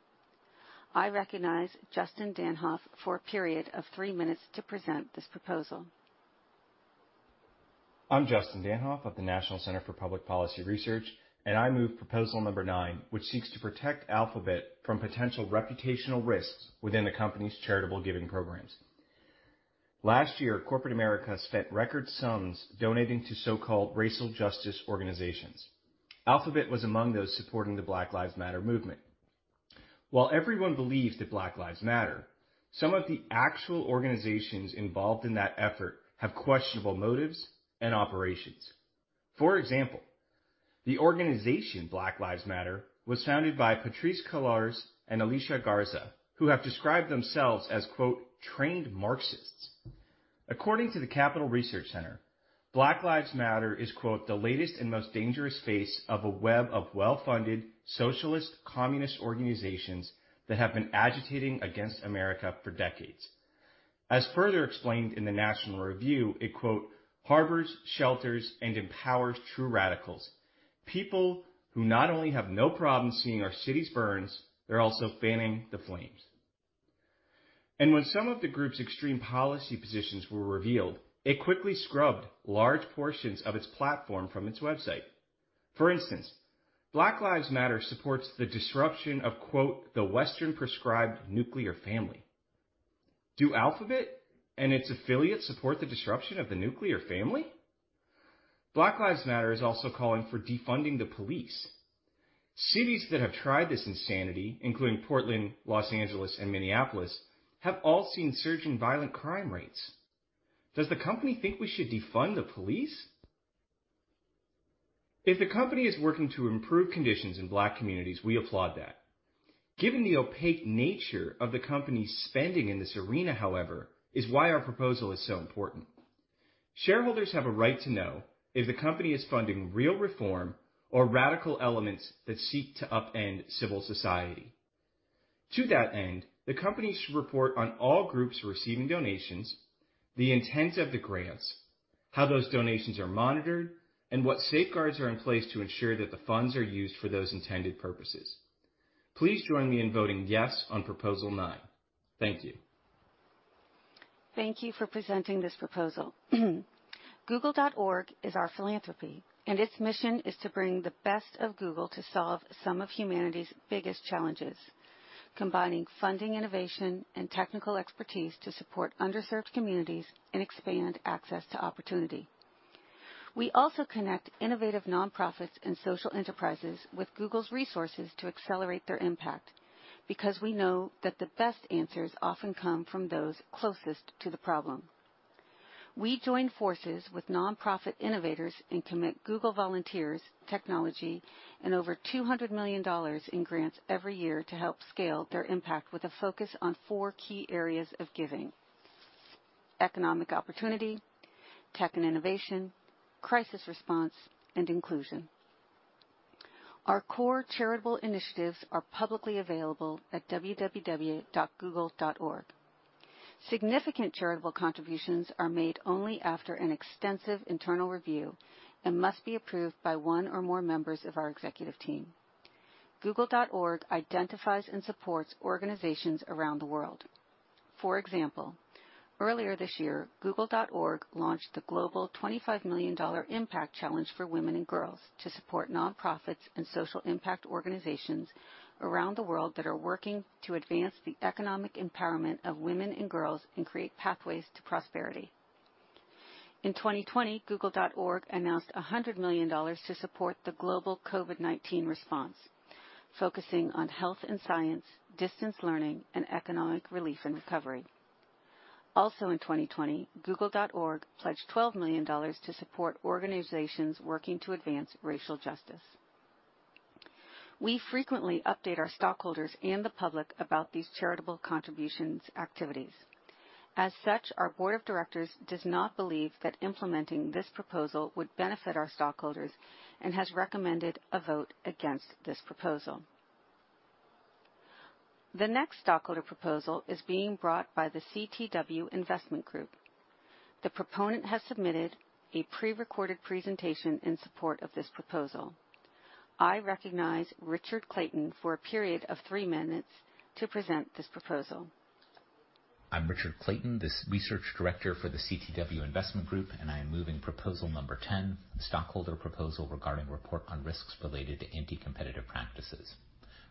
I recognize Justin Danhoff for a period of three minutes to present this proposal. I'm Justin Danhoff of the National Center for Public Policy Research, and I move proposal number nine, which seeks to protect Alphabet from potential reputational risks within the company's charitable giving programs. Last year, corporate America spent record sums donating to so-called racial justice organizations. Alphabet was among those supporting the Black Lives Matter movement. While everyone believes that Black Lives Matter, some of the actual organizations involved in that effort have questionable motives and operations. For example, the organization Black Lives Matter was founded by Patrisse Cullors and Alicia Garza, who have described themselves as, quote, "trained Marxists." According to the Capital Research Center, Black Lives Matter is, quote, "the latest and most dangerous face of a web of well-funded socialist communist organizations that have been agitating against America for decades." As further explained in the National Review, it, quote, "harbors shelters and empowers true radicals, people who not only have no problem seeing our cities burns, they're also fanning the flames." And when some of the group's extreme policy positions were revealed, it quickly scrubbed large portions of its platform from its website. For instance, Black Lives Matter supports the disruption of, quote, "the Western prescribed nuclear family." Do Alphabet and its affiliates support the disruption of the nuclear family? Black Lives Matter is also calling for defunding the police. Cities that have tried this insanity, including Portland, Los Angeles, and Minneapolis, have all seen a surge in violent crime rates. Does the company think we should defund the police? If the company is working to improve conditions in Black communities, we applaud that. Given the opaque nature of the company's spending in this arena, however, is why our proposal is so important. Shareholders have a right to know if the company is funding real reform or radical elements that seek to upend civil society. To that end, the company should report on all groups receiving donations, the intent of the grants, how those donations are monitored, and what safeguards are in place to ensure that the funds are used for those intended purposes. Please join me in voting yes on proposal nine. Thank you. Thank you for presenting this proposal. Google.org is our philanthropy, and its mission is to bring the best of Google to solve some of humanity's biggest challenges, combining funding, innovation, and technical expertise to support underserved communities and expand access to opportunity. We also connect innovative nonprofits and social enterprises with Google's resources to accelerate their impact because we know that the best answers often come from those closest to the problem. We join forces with nonprofit innovators and commit Google volunteers, technology, and over $200 million in grants every year to help scale their impact with a focus on four key areas of giving: economic opportunity, tech and innovation, crisis response, and inclusion. Our core charitable initiatives are publicly available at www.google.org. Significant charitable contributions are made only after an extensive internal review and must be approved by one or more members of our executive team. Google.org identifies and supports organizations around the world. For example, earlier this year, Google.org launched the global $25 million Impact Challenge for Women and Girls to support nonprofits and social impact organizations around the world that are working to advance the economic empowerment of women and girls and create pathways to prosperity. In 2020, Google.org announced $100 million to support the global COVID-19 response, focusing on health and science, distance learning, and economic relief and recovery. Also in 2020, Google.org pledged $12 million to support organizations working to advance racial justice. We frequently update our stockholders and the public about these charitable contributions activities. As such, our Board of Directors does not believe that implementing this proposal would benefit our stockholders and has recommended a vote against this proposal. The next stockholder proposal is being brought by the CTW Investment Group. The proponent has submitted a pre-recorded presentation in support of this proposal. I recognize Richard Clayton for a period of three minutes to present this proposal. I'm Richard Clayton, the research director for the CTW Investment Group, and I am moving proposal number 10, the stockholder proposal regarding report on risks related to anti-competitive practices.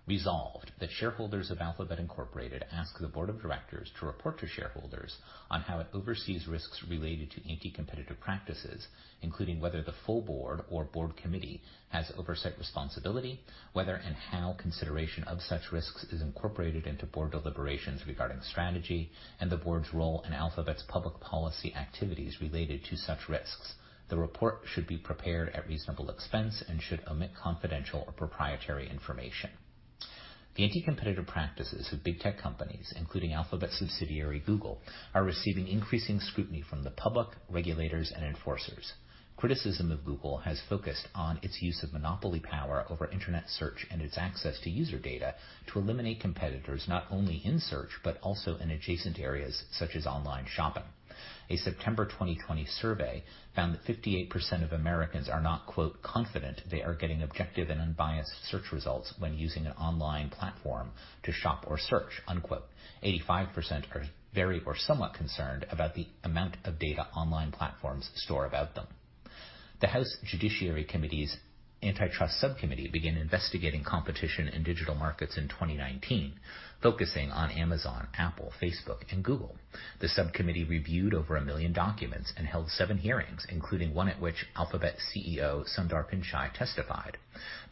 Resolved that shareholders of Alphabet Incorporated ask the Board of Directors to report to shareholders on how it oversees risks related to anti-competitive practices, including whether the full board or board committee has oversight responsibility, whether and how consideration of such risks is incorporated into board deliberations regarding strategy, and the board's role in Alphabet's public policy activities related to such risks. The report should be prepared at reasonable expense and should omit confidential or proprietary information. The anti-competitive practices of big tech companies, including Alphabet's subsidiary Google, are receiving increasing scrutiny from the public, regulators, and enforcers. Criticism of Google has focused on its use of monopoly power over internet search and its access to user data to eliminate competitors not only in search but also in adjacent areas such as online shopping. A September 2020 survey found that 58% of Americans are not, quote, "confident they are getting objective and unbiased search results when using an online platform to shop or search," unquote. 85% are very or somewhat concerned about the amount of data online platforms store about them. The House Judiciary Committee's antitrust subcommittee began investigating competition in digital markets in 2019, focusing on Amazon, Apple, Facebook, and Google. The subcommittee reviewed over a million documents and held seven hearings, including one at which Alphabet CEO Sundar Pichai testified.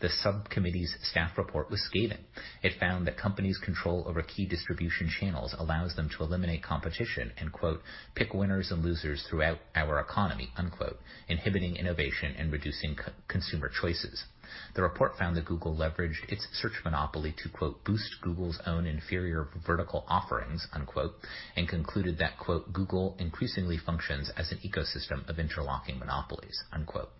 The subcommittee's staff report was scathing. It found that companies' control over key distribution channels allows them to eliminate competition and, quote, "pick winners and losers throughout our economy," unquote, inhibiting innovation and reducing consumer choices. The report found that Google leveraged its search monopoly to, quote, "boost Google's own inferior vertical offerings," unquote, and concluded that, quote, "Google increasingly functions as an ecosystem of interlocking monopolies," unquote.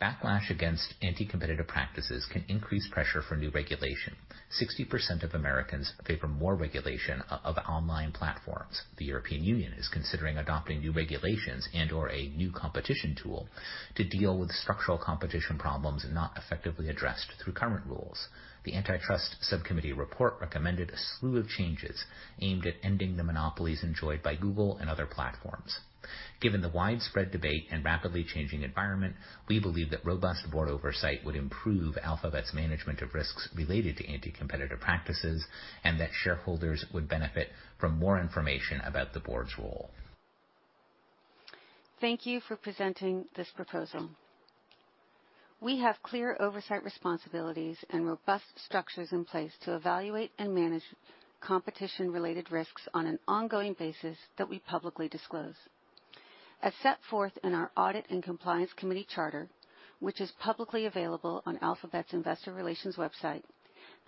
Backlash against anti-competitive practices can increase pressure for new regulation. 60% of Americans favor more regulation of online platforms. The European Union is considering adopting new regulations and/or a new competition tool to deal with structural competition problems not effectively addressed through current rules. The antitrust subcommittee report recommended a slew of changes aimed at ending the monopolies enjoyed by Google and other platforms. Given the widespread debate and rapidly changing environment, we believe that robust board oversight would improve Alphabet's management of risks related to anti-competitive practices and that shareholders would benefit from more information about the board's role. Thank you for presenting this proposal. We have clear oversight responsibilities and robust structures in place to evaluate and manage competition-related risks on an ongoing basis that we publicly disclose. As set forth in our Audit and Compliance Committee charter, which is publicly available on Alphabet's investor relations website,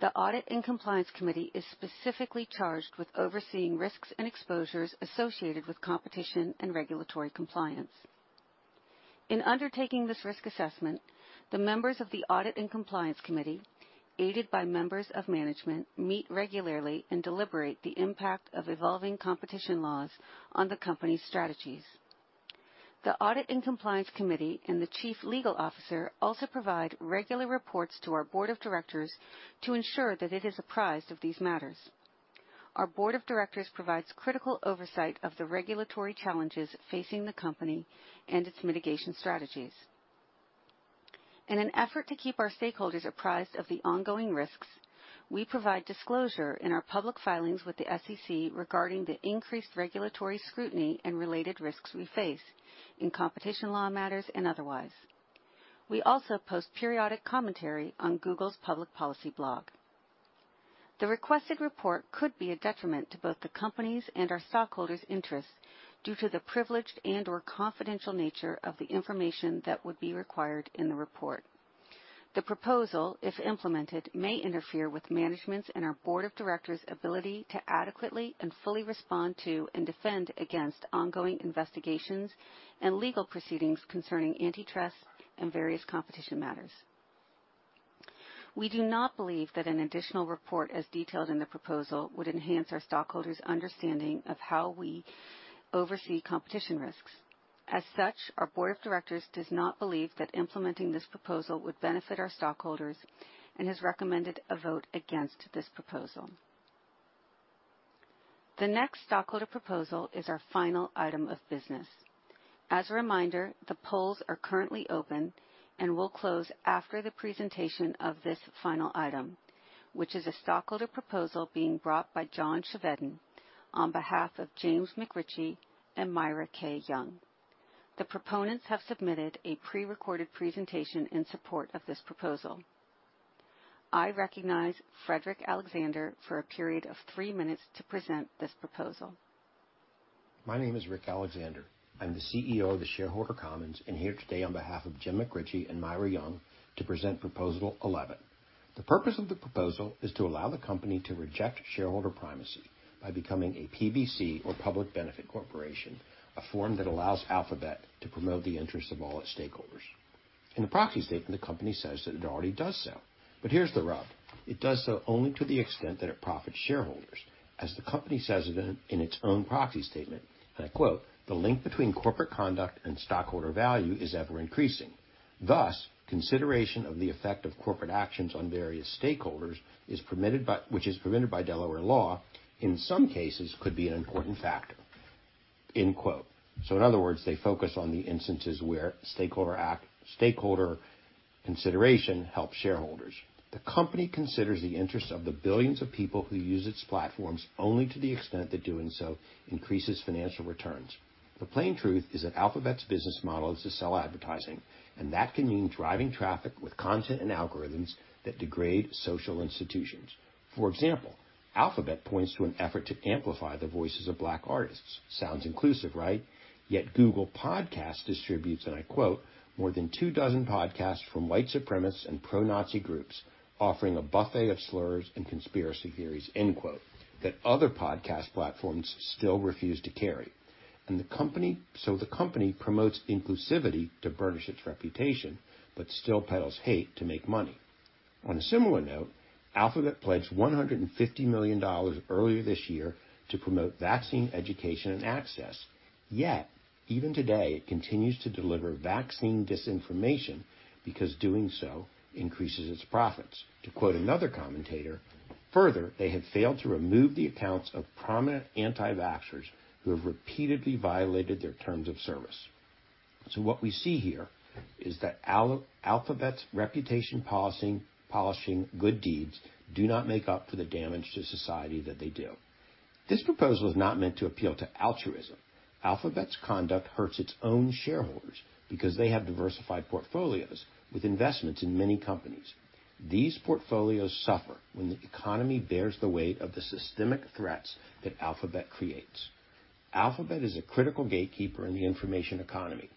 the Audit and Compliance Committee is specifically charged with overseeing risks and exposures associated with competition and regulatory compliance. In undertaking this risk assessment, the members of the Audit and Compliance Committee, aided by members of management, meet regularly and deliberate the impact of evolving competition laws on the company's strategies. The Audit and Compliance Committee and the Chief Legal Officer also provide regular reports to our Board of Directors to ensure that it is apprised of these matters. Our Board of Directors provides critical oversight of the regulatory challenges facing the company and its mitigation strategies. In an effort to keep our stakeholders apprised of the ongoing risks, we provide disclosure in our public filings with the SEC regarding the increased regulatory scrutiny and related risks we face in competition law matters and otherwise. We also post periodic commentary on Google's public policy blog. The requested report could be a detriment to both the company's and our stockholders' interests due to the privileged and/or confidential nature of the information that would be required in the report. The proposal, if implemented, may interfere with management's and our Board of Directors' ability to adequately and fully respond to and defend against ongoing investigations and legal proceedings concerning antitrust and various competition matters. We do not believe that an additional report as detailed in the proposal would enhance our stockholders' understanding of how we oversee competition risks. As such, our Board of Directors does not believe that implementing this proposal would benefit our stockholders and has recommended a vote against this proposal. The next stockholder proposal is our final item of business. As a reminder, the polls are currently open and will close after the presentation of this final item, which is a stockholder proposal being brought by John Cheveden on behalf of James McRitchie and Myra K. Young. The proponents have submitted a pre-recorded presentation in support of this proposal. I recognize Frederick Alexander for a period of three minutes to present this proposal. My name is Frederick Alexander. I'm the CEO of The Shareholder Commons and here today on behalf of Jim McRitchie and Myra Young to present proposal 11. The purpose of the proposal is to allow the company to reject shareholder primacy by becoming a PBC or public benefit corporation, a form that allows Alphabet to promote the interests of all its stakeholders. In the proxy statement, the company says that it already does so. But here's the rub. It does so only to the extent that it profits shareholders, as the company says it in its own proxy statement, and I quote, "The link between corporate conduct and stockholder value is ever increasing. Thus, consideration of the effect of corporate actions on various stakeholders, which is permitted by Delaware law, in some cases could be an important factor," end quote. So in other words, they focus on the instances where stakeholder consideration helps shareholders. The company considers the interests of the billions of people who use its platforms only to the extent that doing so increases financial returns. The plain truth is that Alphabet's business model is to sell advertising, and that can mean driving traffic with content and algorithms that degrade social institutions. For example, Alphabet points to an effort to amplify the voices of Black artists. Sounds inclusive, right? Yet Google Podcasts distributes, and I quote, "More than two dozen podcasts from white supremacists and pro-Nazi groups offering a buffet of slurs and conspiracy theories," end quote, that other podcast platforms still refuse to carry. And so the company promotes inclusivity to burnish its reputation but still peddles hate to make money. On a similar note, Alphabet pledged $150 million earlier this year to promote vaccine education and access. Yet even today, it continues to deliver vaccine disinformation because doing so increases its profits. To quote another commentator, "Further, they have failed to remove the accounts of prominent anti-vaxxers who have repeatedly violated their terms of service." So what we see here is that Alphabet's reputation polishing good deeds do not make up for the damage to society that they do. This proposal is not meant to appeal to altruism. Alphabet's conduct hurts its own shareholders because they have diversified portfolios with investments in many companies. These portfolios suffer when the economy bears the weight of the systemic threats that Alphabet creates. Alphabet is a critical gatekeeper in the information economy.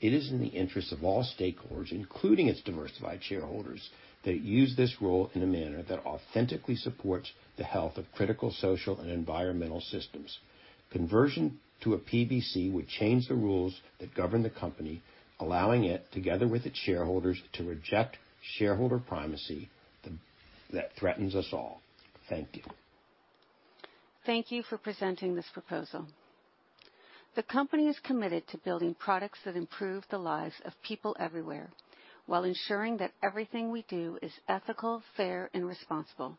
It is in the interests of all stakeholders, including its diversified shareholders, that it use this role in a manner that authentically supports the health of critical social and environmental systems. Conversion to a PBC would change the rules that govern the company, allowing it, together with its shareholders, to reject shareholder primacy that threatens us all. Thank you. Thank you for presenting this proposal. The company is committed to building products that improve the lives of people everywhere while ensuring that everything we do is ethical, fair, and responsible.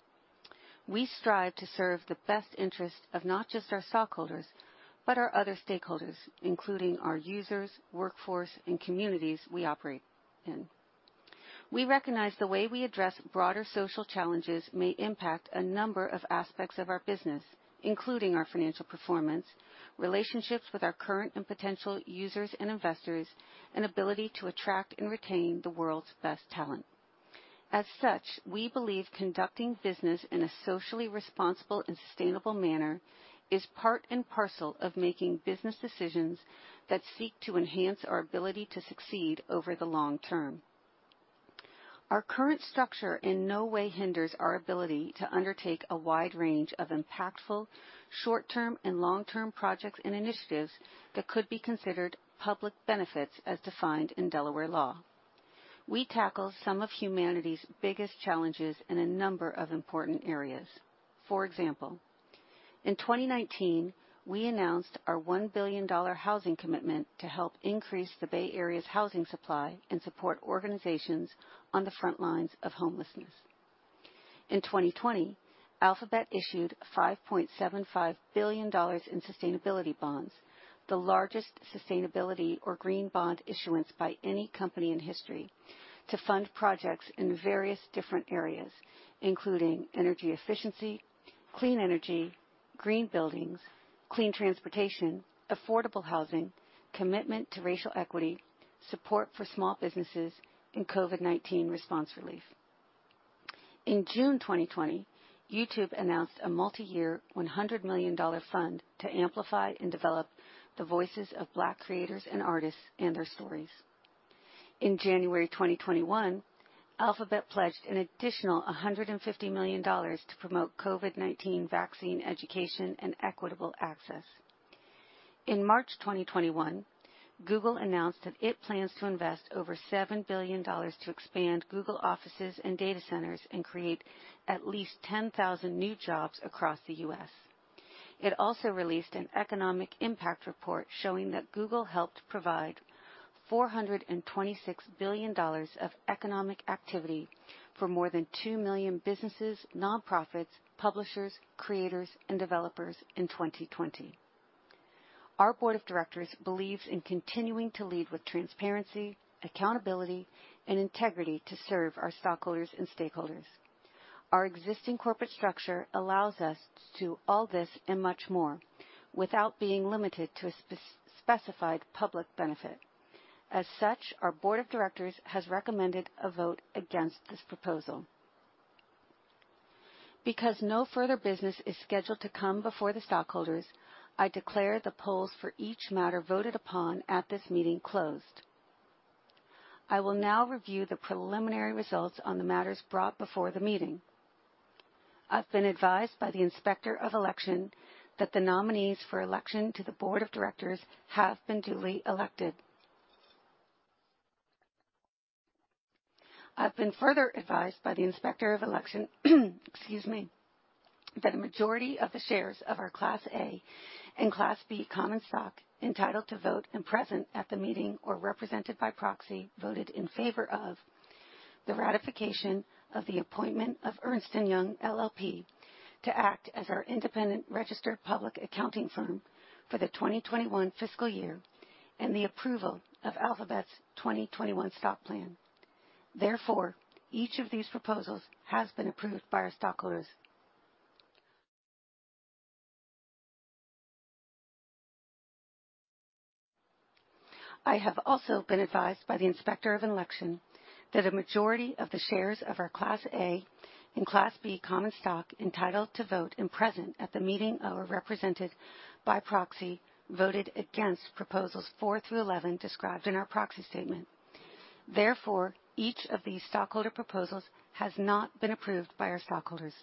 We strive to serve the best interest of not just our stockholders but our other stakeholders, including our users, workforce, and communities we operate in. We recognize the way we address broader social challenges may impact a number of aspects of our business, including our financial performance, relationships with our current and potential users and investors, and ability to attract and retain the world's best talent. As such, we believe conducting business in a socially responsible and sustainable manner is part and parcel of making business decisions that seek to enhance our ability to succeed over the long term. Our current structure in no way hinders our ability to undertake a wide range of impactful short-term and long-term projects and initiatives that could be considered public benefits as defined in Delaware law. We tackle some of humanity's biggest challenges in a number of important areas. For example, in 2019, we announced our $1 billion housing commitment to help increase the Bay Area's housing supply and support organizations on the front lines of homelessness. In 2020, Alphabet issued $5.75 billion in sustainability bonds, the largest sustainability or green bond issuance by any company in history, to fund projects in various different areas, including energy efficiency, clean energy, green buildings, clean transportation, affordable housing, commitment to racial equity, support for small businesses, and COVID-19 response relief. In June 2020, YouTube announced a multi-year $100 million fund to amplify and develop the voices of Black creators and artists and their stories. In January 2021, Alphabet pledged an additional $150 million to promote COVID-19 vaccine education and equitable access. In March 2021, Google announced that it plans to invest over $7 billion to expand Google offices and data centers and create at least 10,000 new jobs across the U.S. It also released an economic impact report showing that Google helped provide $426 billion of economic activity for more than two million businesses, nonprofits, publishers, creators, and developers in 2020. Our Board of Directors believes in continuing to lead with transparency, accountability, and integrity to serve our stockholders and stakeholders. Our existing corporate structure allows us to do all this and much more without being limited to a specified public benefit. As such, our Board of Directors has recommended a vote against this proposal. Because no further business is scheduled to come before the stockholders, I declare the polls for each matter voted upon at this meeting closed. I will now review the preliminary results on the matters brought before the meeting. I've been advised by the inspector of election that the nominees for election to the Board of Directors have been duly elected. I've been further advised by the inspector of election, excuse me, that a majority of the shares of our Class A and Class B common stock entitled to vote and present at the meeting or represented by proxy voted in favor of the ratification of the appointment of Ernst & Young LLP to act as our independent registered public accounting firm for the 2021 fiscal year and the approval of Alphabet's 2021 stock plan. Therefore, each of these proposals has been approved by our stockholders. I have also been advised by the inspector of election that a majority of the shares of our Class A Common Stock and Class B Common Stock entitled to vote and present at the meeting or represented by proxy voted against proposals 4 through 11 described in our proxy statement. Therefore, each of these stockholder proposals has not been approved by our stockholders.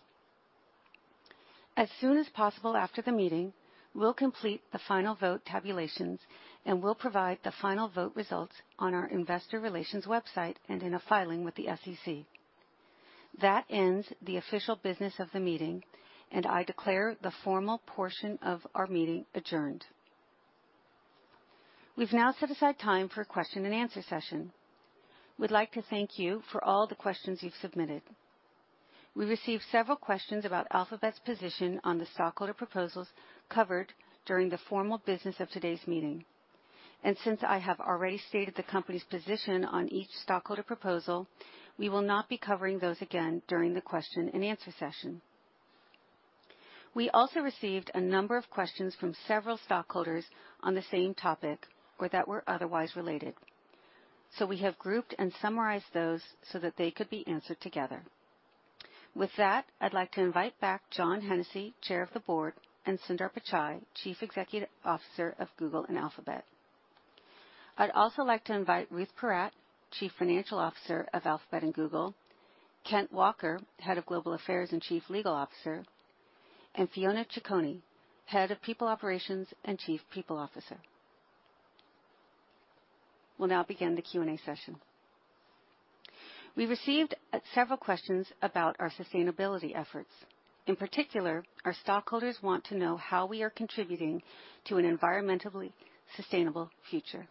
As soon as possible after the meeting, we'll complete the final vote tabulations and we'll provide the final vote results on our investor relations website and in a filing with the SEC. That ends the official business of the meeting, and I declare the formal portion of our meeting adjourned. We've now set aside time for a question-and-answer session. We'd like to thank you for all the questions you've submitted. We received several questions about Alphabet's position on the stockholder proposals covered during the formal business of today's meeting. Since I have already stated the company's position on each stockholder proposal, we will not be covering those again during the question-and-answer session. We also received a number of questions from several stockholders on the same topic or that were otherwise related. We have grouped and summarized those so that they could be answered together. With that, I'd like to invite back John Hennessy, Chair of the Board, and Sundar Pichai, Chief Executive Officer of Google and Alphabet. I'd also like to invite Ruth Porat, Chief Financial Officer of Alphabet and Google, Kent Walker, Head of Global Affairs and Chief Legal Officer, and Fiona Cicconi, Head of People Operations and Chief People Officer. We'll now begin the Q&A session. We received several questions about our sustainability efforts. In particular, our stockholders want to know how we are contributing to an environmentally sustainable future.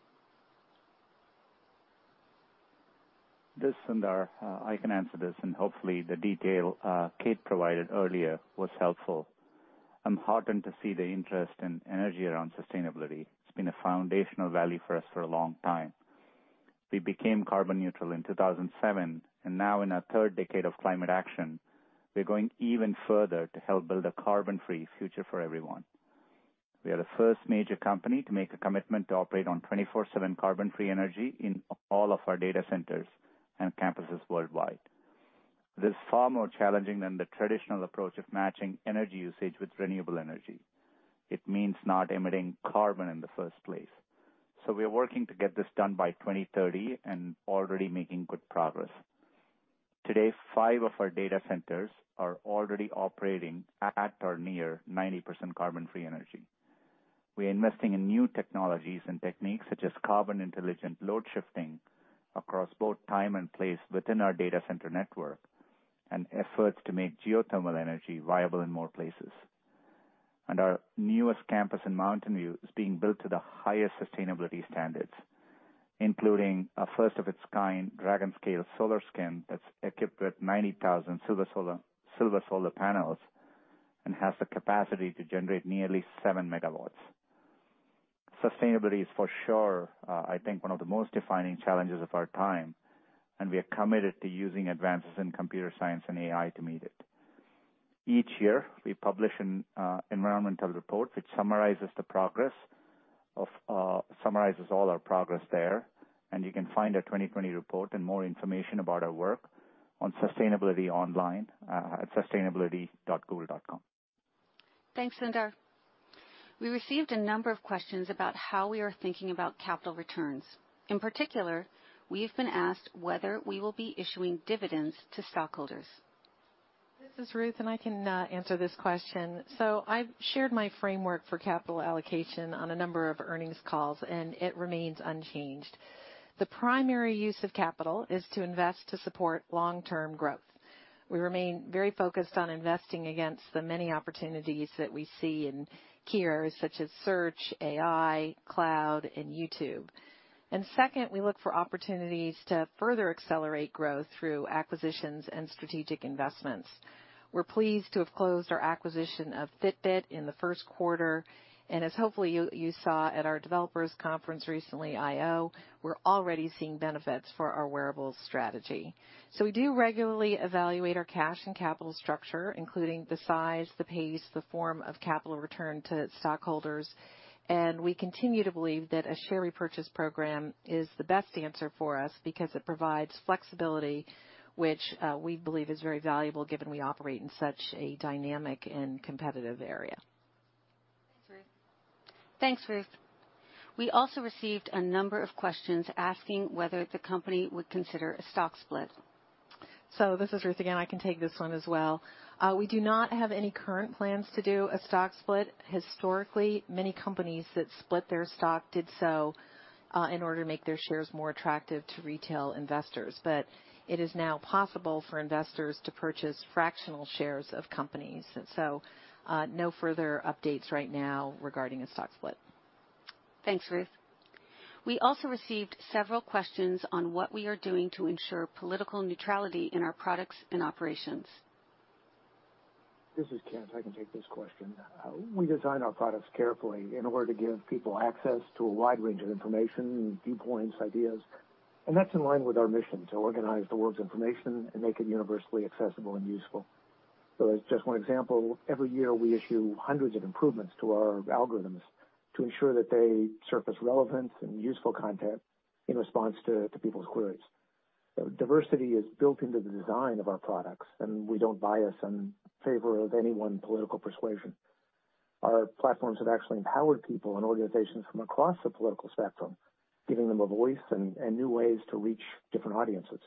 Thanks, Sundar, I can answer this, and hopefully the detail Kate provided earlier was helpful. I'm heartened to see the interest and energy around sustainability. It's been a foundational value for us for a long time. We became carbon neutral in 2007, and now in our third decade of climate action, we're going even further to help build a carbon-free future for everyone. We are the first major company to make a commitment to operate on 24/7 carbon-free energy in all of our data centers and campuses worldwide. This is far more challenging than the traditional approach of matching energy usage with renewable energy. It means not emitting carbon in the first place. So we are working to get this done by 2030 and already making good progress. Today, five of our data centers are already operating at or near 90% carbon-free energy. We are investing in new technologies and techniques such as carbon-intelligent load shifting across both time and place within our data center network and efforts to make geothermal energy viable in more places. And our newest campus in Mountain View is being built to the highest sustainability standards, including a first-of-its-kind Dragonscale solar skin that's equipped with 90,000 silver solar panels and has the capacity to generate nearly 7 megawatts. Sustainability is for sure, I think, one of the most defining challenges of our time, and we are committed to using advances in computer science and AI to meet it. Each year, we publish an environmental report which summarizes all our progress there. And you can find our 2020 report and more information about our work on sustainability online at sustainability.google.com. Thanks, Sundar. We received a number of questions about how we are thinking about capital returns. In particular, we've been asked whether we will be issuing dividends to stockholders. This is Ruth, and I can answer this question. So I've shared my framework for capital allocation on a number of earnings calls, and it remains unchanged. The primary use of capital is to invest to support long-term growth. We remain very focused on investing against the many opportunities that we see in key areas such as search, AI, cloud, and YouTube. And second, we look for opportunities to further accelerate growth through acquisitions and strategic investments. We're pleased to have closed our acquisition of Fitbit in the first quarter. And as hopefully you saw at our developers conference recently, I/O, we're already seeing benefits for our wearables strategy. So we do regularly evaluate our cash and capital structure, including the size, the pace, the form of capital return to stockholders. We continue to believe that a share repurchase program is the best answer for us because it provides flexibility, which we believe is very valuable given we operate in such a dynamic and competitive area. Thanks, Ruth. Thanks, Ruth. We also received a number of questions asking whether the company would consider a stock split. So this is Ruth again. I can take this one as well. We do not have any current plans to do a stock split. Historically, many companies that split their stock did so in order to make their shares more attractive to retail investors. But it is now possible for investors to purchase fractional shares of companies. So no further updates right now regarding a stock split. Thanks, Ruth. We also received several questions on what we are doing to ensure political neutrality in our products and operations. This is Kent. I can take this question. We design our products carefully in order to give people access to a wide range of information, viewpoints, ideas, and that's in line with our mission to organize the world's information and make it universally accessible and useful, so as just one example, every year we issue hundreds of improvements to our algorithms to ensure that they surface relevant and useful content in response to people's queries. Diversity is built into the design of our products, and we don't bias in favor of any one political persuasion. Our platforms have actually empowered people and organizations from across the political spectrum, giving them a voice and new ways to reach different audiences,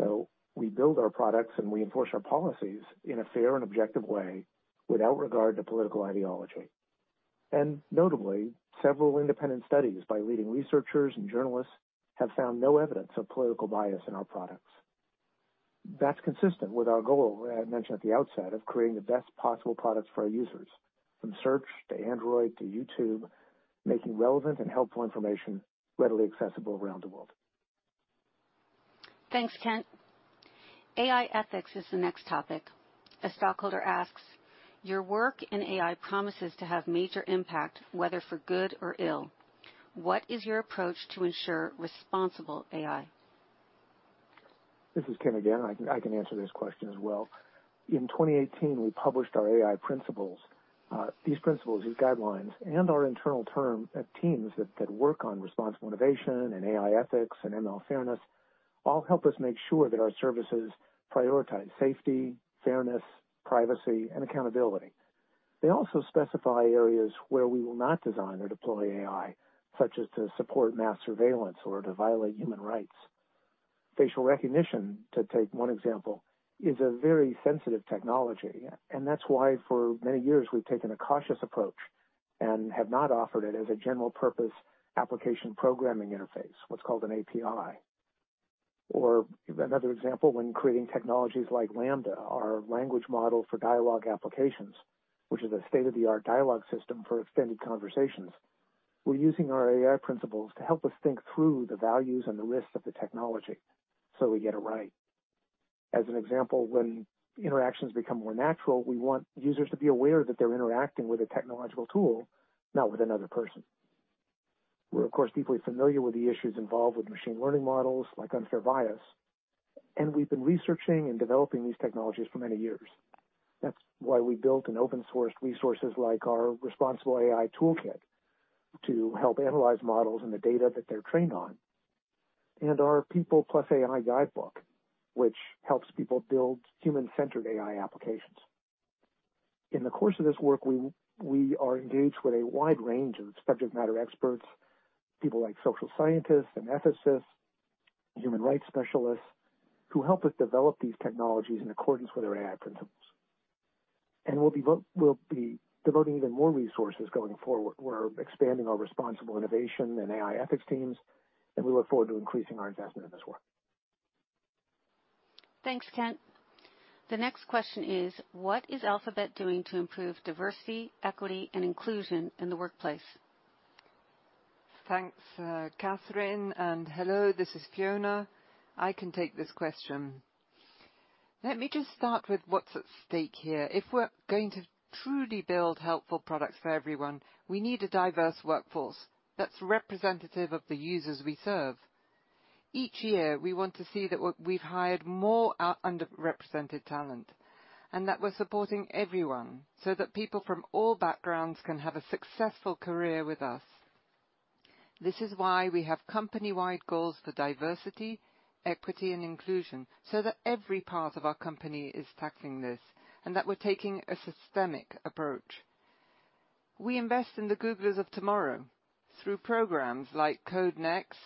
so we build our products and we enforce our policies in a fair and objective way without regard to political ideology. Notably, several independent studies by leading researchers and journalists have found no evidence of political bias in our products. That's consistent with our goal I mentioned at the outset of creating the best possible products for our users, from search to Android to YouTube, making relevant and helpful information readily accessible around the world. Thanks, Kent. AI ethics is the next topic. A stockholder asks, "Your work in AI promises to have major impact, whether for good or ill. What is your approach to ensure responsible AI? This is Kent again. I can answer this question as well. In 2018, we published our AI principles. These principles, these guidelines, and our internal teams that work on responsible innovation and AI ethics and ML fairness all help us make sure that our services prioritize safety, fairness, privacy, and accountability. They also specify areas where we will not design or deploy AI, such as to support mass surveillance or to violate human rights. Facial recognition, to take one example, is a very sensitive technology, and that's why for many years we've taken a cautious approach and have not offered it as a general-purpose application programming interface, what's called an API. Or another example, when creating technologies like LaMDA, our language model for dialogue applications, which is a state-of-the-art dialogue system for extended conversations, we're using our AI principles to help us think through the values and the risks of the technology so we get it right. As an example, when interactions become more natural, we want users to be aware that they're interacting with a technological tool, not with another person. We're, of course, deeply familiar with the issues involved with machine learning models like unfair bias. And we've been researching and developing these technologies for many years. That's why we built and open-sourced resources like our Responsible AI Toolkit to help analyze models and the data that they're trained on, and our People + AI Guidebook, which helps people build human-centered AI applications. In the course of this work, we are engaged with a wide range of subject matter experts, people like social scientists and ethicists, human rights specialists who help us develop these technologies in accordance with our AI principles. And we'll be devoting even more resources going forward. We're expanding our responsible innovation and AI ethics teams, and we look forward to increasing our investment in this work. Thanks, Kent. The next question is, "What is Alphabet doing to improve diversity, equity, and inclusion in the workplace? Thanks, Kathryn, and hello. This is Fiona. I can take this question. Let me just start with what's at stake here. If we're going to truly build helpful products for everyone, we need a diverse workforce that's representative of the users we serve. Each year, we want to see that we've hired more underrepresented talent and that we're supporting everyone so that people from all backgrounds can have a successful career with us. This is why we have company-wide goals for diversity, equity, and inclusion so that every part of our company is tackling this and that we're taking a systemic approach. We invest in the Googlers of tomorrow through programs like Code Next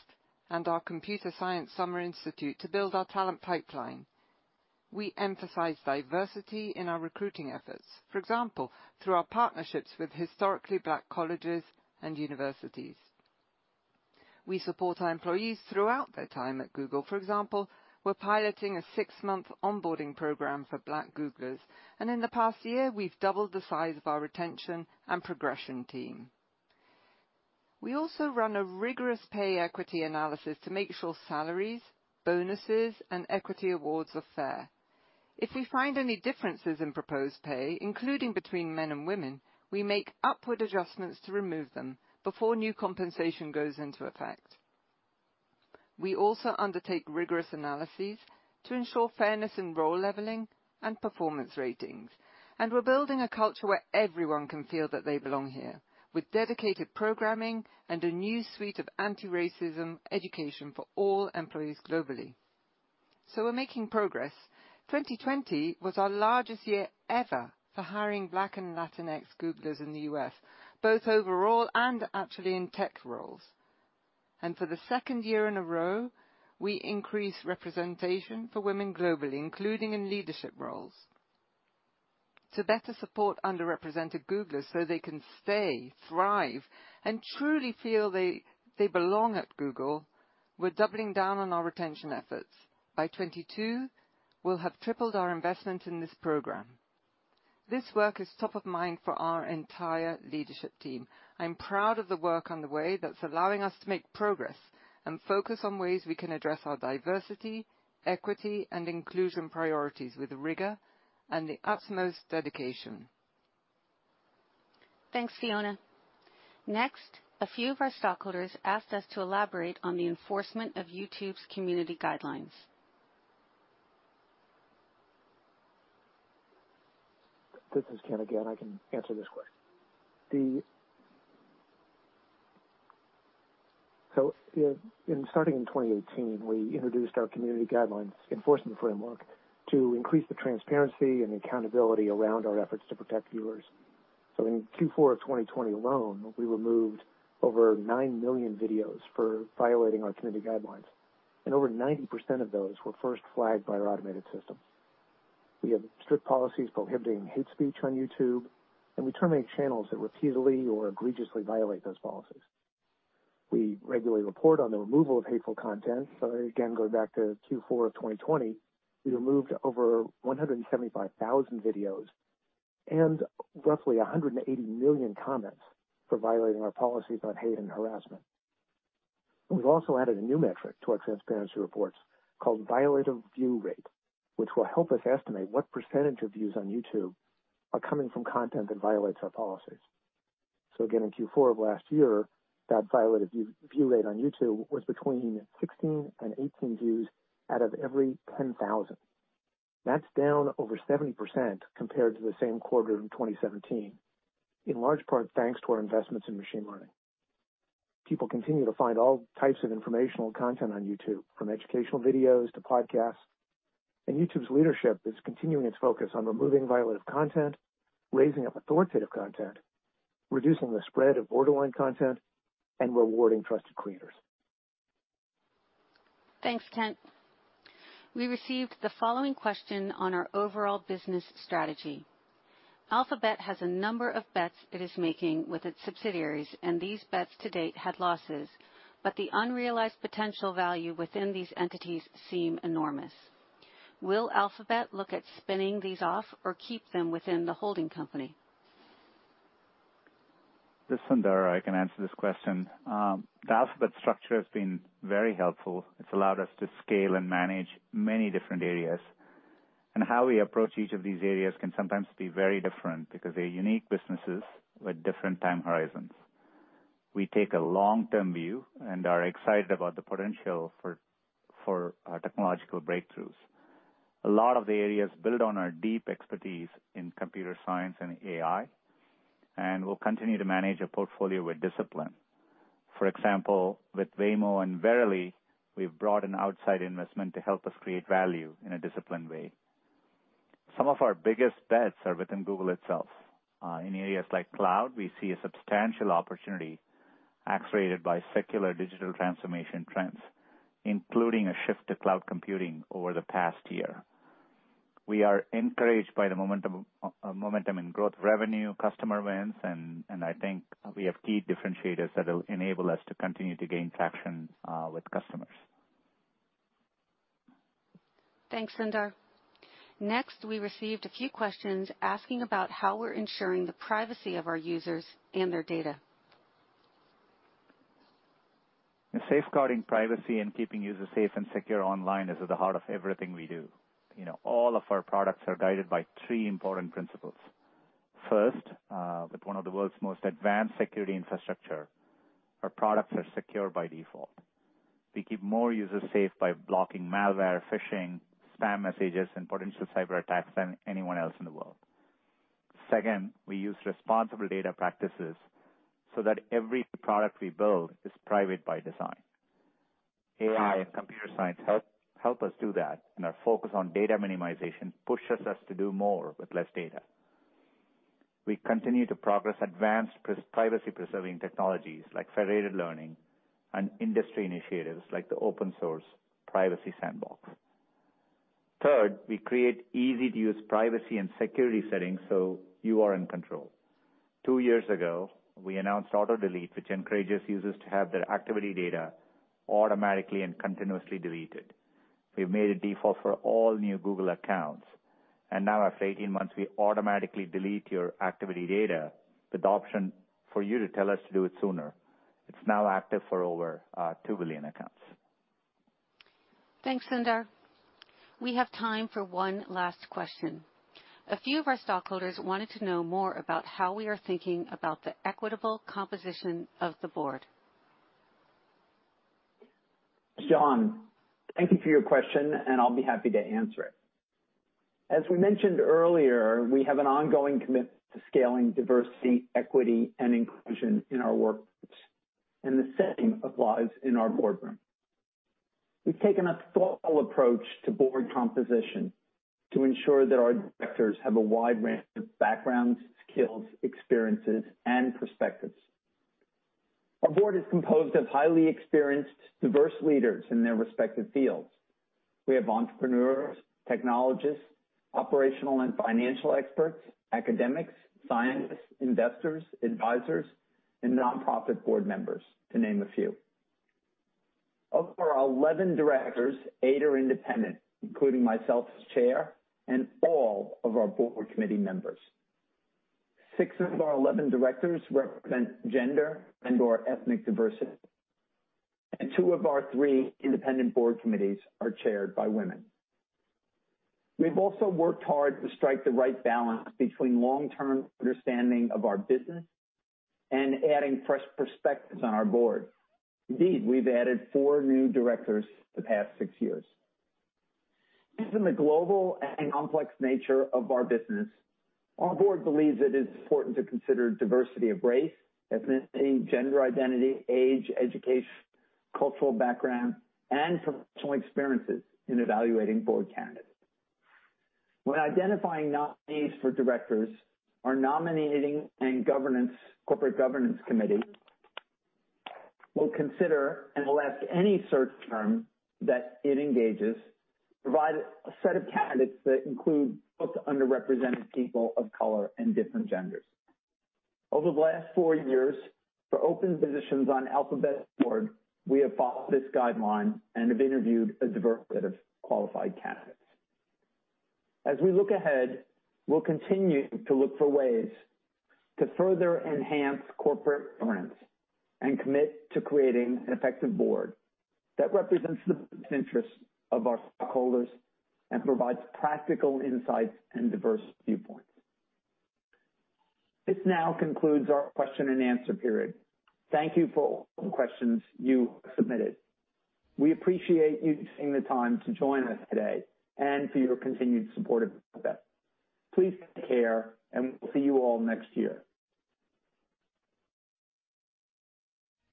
and our Computer Science Summer Institute to build our talent pipeline. We emphasize diversity in our recruiting efforts, for example, through our partnerships with historically Black colleges and universities. We support our employees throughout their time at Google. For example, we're piloting a six-month onboarding program for Black Googlers. And in the past year, we've doubled the size of our retention and progression team. We also run a rigorous pay equity analysis to make sure salaries, bonuses, and equity awards are fair. If we find any differences in proposed pay, including between men and women, we make upward adjustments to remove them before new compensation goes into effect. We also undertake rigorous analyses to ensure fairness in role leveling and performance ratings. And we're building a culture where everyone can feel that they belong here, with dedicated programming and a new suite of anti-racism education for all employees globally. So we're making progress. 2020 was our largest year ever for hiring Black and Latinx Googlers in the U.S., both overall and actually in tech roles. And for the second year in a row, we increase representation for women globally, including in leadership roles. To better support underrepresented Googlers so they can stay, thrive, and truly feel they belong at Google, we're doubling down on our retention efforts. By 2022, we'll have tripled our investment in this program. This work is top of mind for our entire leadership team. I'm proud of the work underway that's allowing us to make progress and focus on ways we can address our diversity, equity, and inclusion priorities with rigor and the utmost dedication. Thanks, Fiona. Next, a few of our stockholders asked us to elaborate on the enforcement of YouTube's community guidelines. This is Kent again. I can answer this question. Starting in 2018, we introduced our community guidelines enforcement framework to increase the transparency and accountability around our efforts to protect viewers. In Q4 of 2020 alone, we removed over nine million videos for violating our community guidelines. Over 90% of those were first flagged by our automated system. We have strict policies prohibiting hate speech on YouTube, and we terminate channels that repeatedly or egregiously violate those policies. We regularly report on the removal of hateful content. Again, going back to Q4 of 2020, we removed over 175,000 videos and roughly 180 million comments for violating our policies on hate and harassment. We've also added a new metric to our transparency reports called Violative View Rate, which will help us estimate what percentage of views on YouTube are coming from content that violates our policies. Again, in Q4 of last year, that violative view rate on YouTube was between 16 and 18 views out of every 10,000. That's down over 70% compared to the same quarter in 2017, in large part thanks to our investments in machine learning. People continue to find all types of informational content on YouTube, from educational videos to podcasts. YouTube's leadership is continuing its focus on removing violative content, raising up authoritative content, reducing the spread of borderline content, and rewarding trusted creators. Thanks, Kent. We received the following question on our overall business strategy. Alphabet has a number of bets it is making with its subsidiaries, and these bets to date had losses. But the unrealized potential value within these entities seem enormous. Will Alphabet look at spinning these off or keep them within the holding company? This is Sundar. I can answer this question. The Alphabet structure has been very helpful. It's allowed us to scale and manage many different areas. And how we approach each of these areas can sometimes be very different because they're unique businesses with different time horizons. We take a long-term view and are excited about the potential for technological breakthroughs. A lot of the areas build on our deep expertise in computer science and AI, and we'll continue to manage a portfolio with discipline. For example, with Waymo and Verily, we've brought in outside investment to help us create value in a disciplined way. Some of our biggest bets are within Google itself. In areas like cloud, we see a substantial opportunity accelerated by secular digital transformation trends, including a shift to cloud computing over the past year. We are encouraged by the momentum in growth revenue, customer wins, and I think we have key differentiators that will enable us to continue to gain traction with customers. Thanks, Sundar. Next, we received a few questions asking about how we're ensuring the privacy of our users and their data. Safeguarding privacy and keeping users safe and secure online is at the heart of everything we do. All of our products are guided by three important principles. First, with one of the world's most advanced security infrastructure, our products are secure by default. We keep more users safe by blocking malware, phishing, spam messages, and potential cyber attacks than anyone else in the world. Second, we use responsible data practices so that every product we build is private by design. AI and computer science help us do that, and our focus on data minimization pushes us to do more with less data. We continue to progress advanced privacy-preserving technologies like federated learning and industry initiatives like the open-source Privacy Sandbox. Third, we create easy-to-use privacy and security settings so you are in control. Two years ago, we announced Auto-Delete, which encourages users to have their activity data automatically and continuously deleted. We've made a default for all new Google accounts. And now, after 18 months, we automatically delete your activity data with the option for you to tell us to do it sooner. It's now active for over two billion accounts. Thanks, Sundar. We have time for one last question. A few of our stockholders wanted to know more about how we are thinking about the equitable composition of the board. Sean, thank you for your question, and I'll be happy to answer it. As we mentioned earlier, we have an ongoing commitment to scaling diversity, equity, and inclusion in our workforce, and the same applies in our boardroom. We've taken a thoughtful approach to board composition to ensure that our directors have a wide range of backgrounds, skills, experiences, and perspectives. Our board is composed of highly experienced, diverse leaders in their respective fields. We have entrepreneurs, technologists, operational and financial experts, academics, scientists, investors, advisors, and nonprofit board members, to name a few. Of our 11 directors, 8 are independent, including myself as chair, and all of our board committee members. Six of our 11 directors represent gender and/or ethnic diversity, and two of our three independent board committees are chaired by women. We've also worked hard to strike the right balance between long-term understanding of our business and adding fresh perspectives on our board. Indeed, we've added four new directors the past six years. Given the global and complex nature of our business, our board believes it is important to consider diversity of race, ethnicity, gender identity, age, education, cultural background, and personal experiences in evaluating board candidates. When identifying nominees for directors, our Nominating and Corporate Governance Committee will consider and will ask any search firm that it engages, provide a set of candidates that include both underrepresented people of color and different genders. Over the last four years, for open positions on Alphabet's board, we have followed this guideline and have interviewed a diverse set of qualified candidates. As we look ahead, we'll continue to look for ways to further enhance corporate governance and commit to creating an effective board that represents the best interests of our stockholders and provides practical insights and diverse viewpoints. This now concludes our question and answer period. Thank you for all the questions you submitted. We appreciate you taking the time to join us today and for your continued support of Alphabet. Please take care, and we'll see you all next year.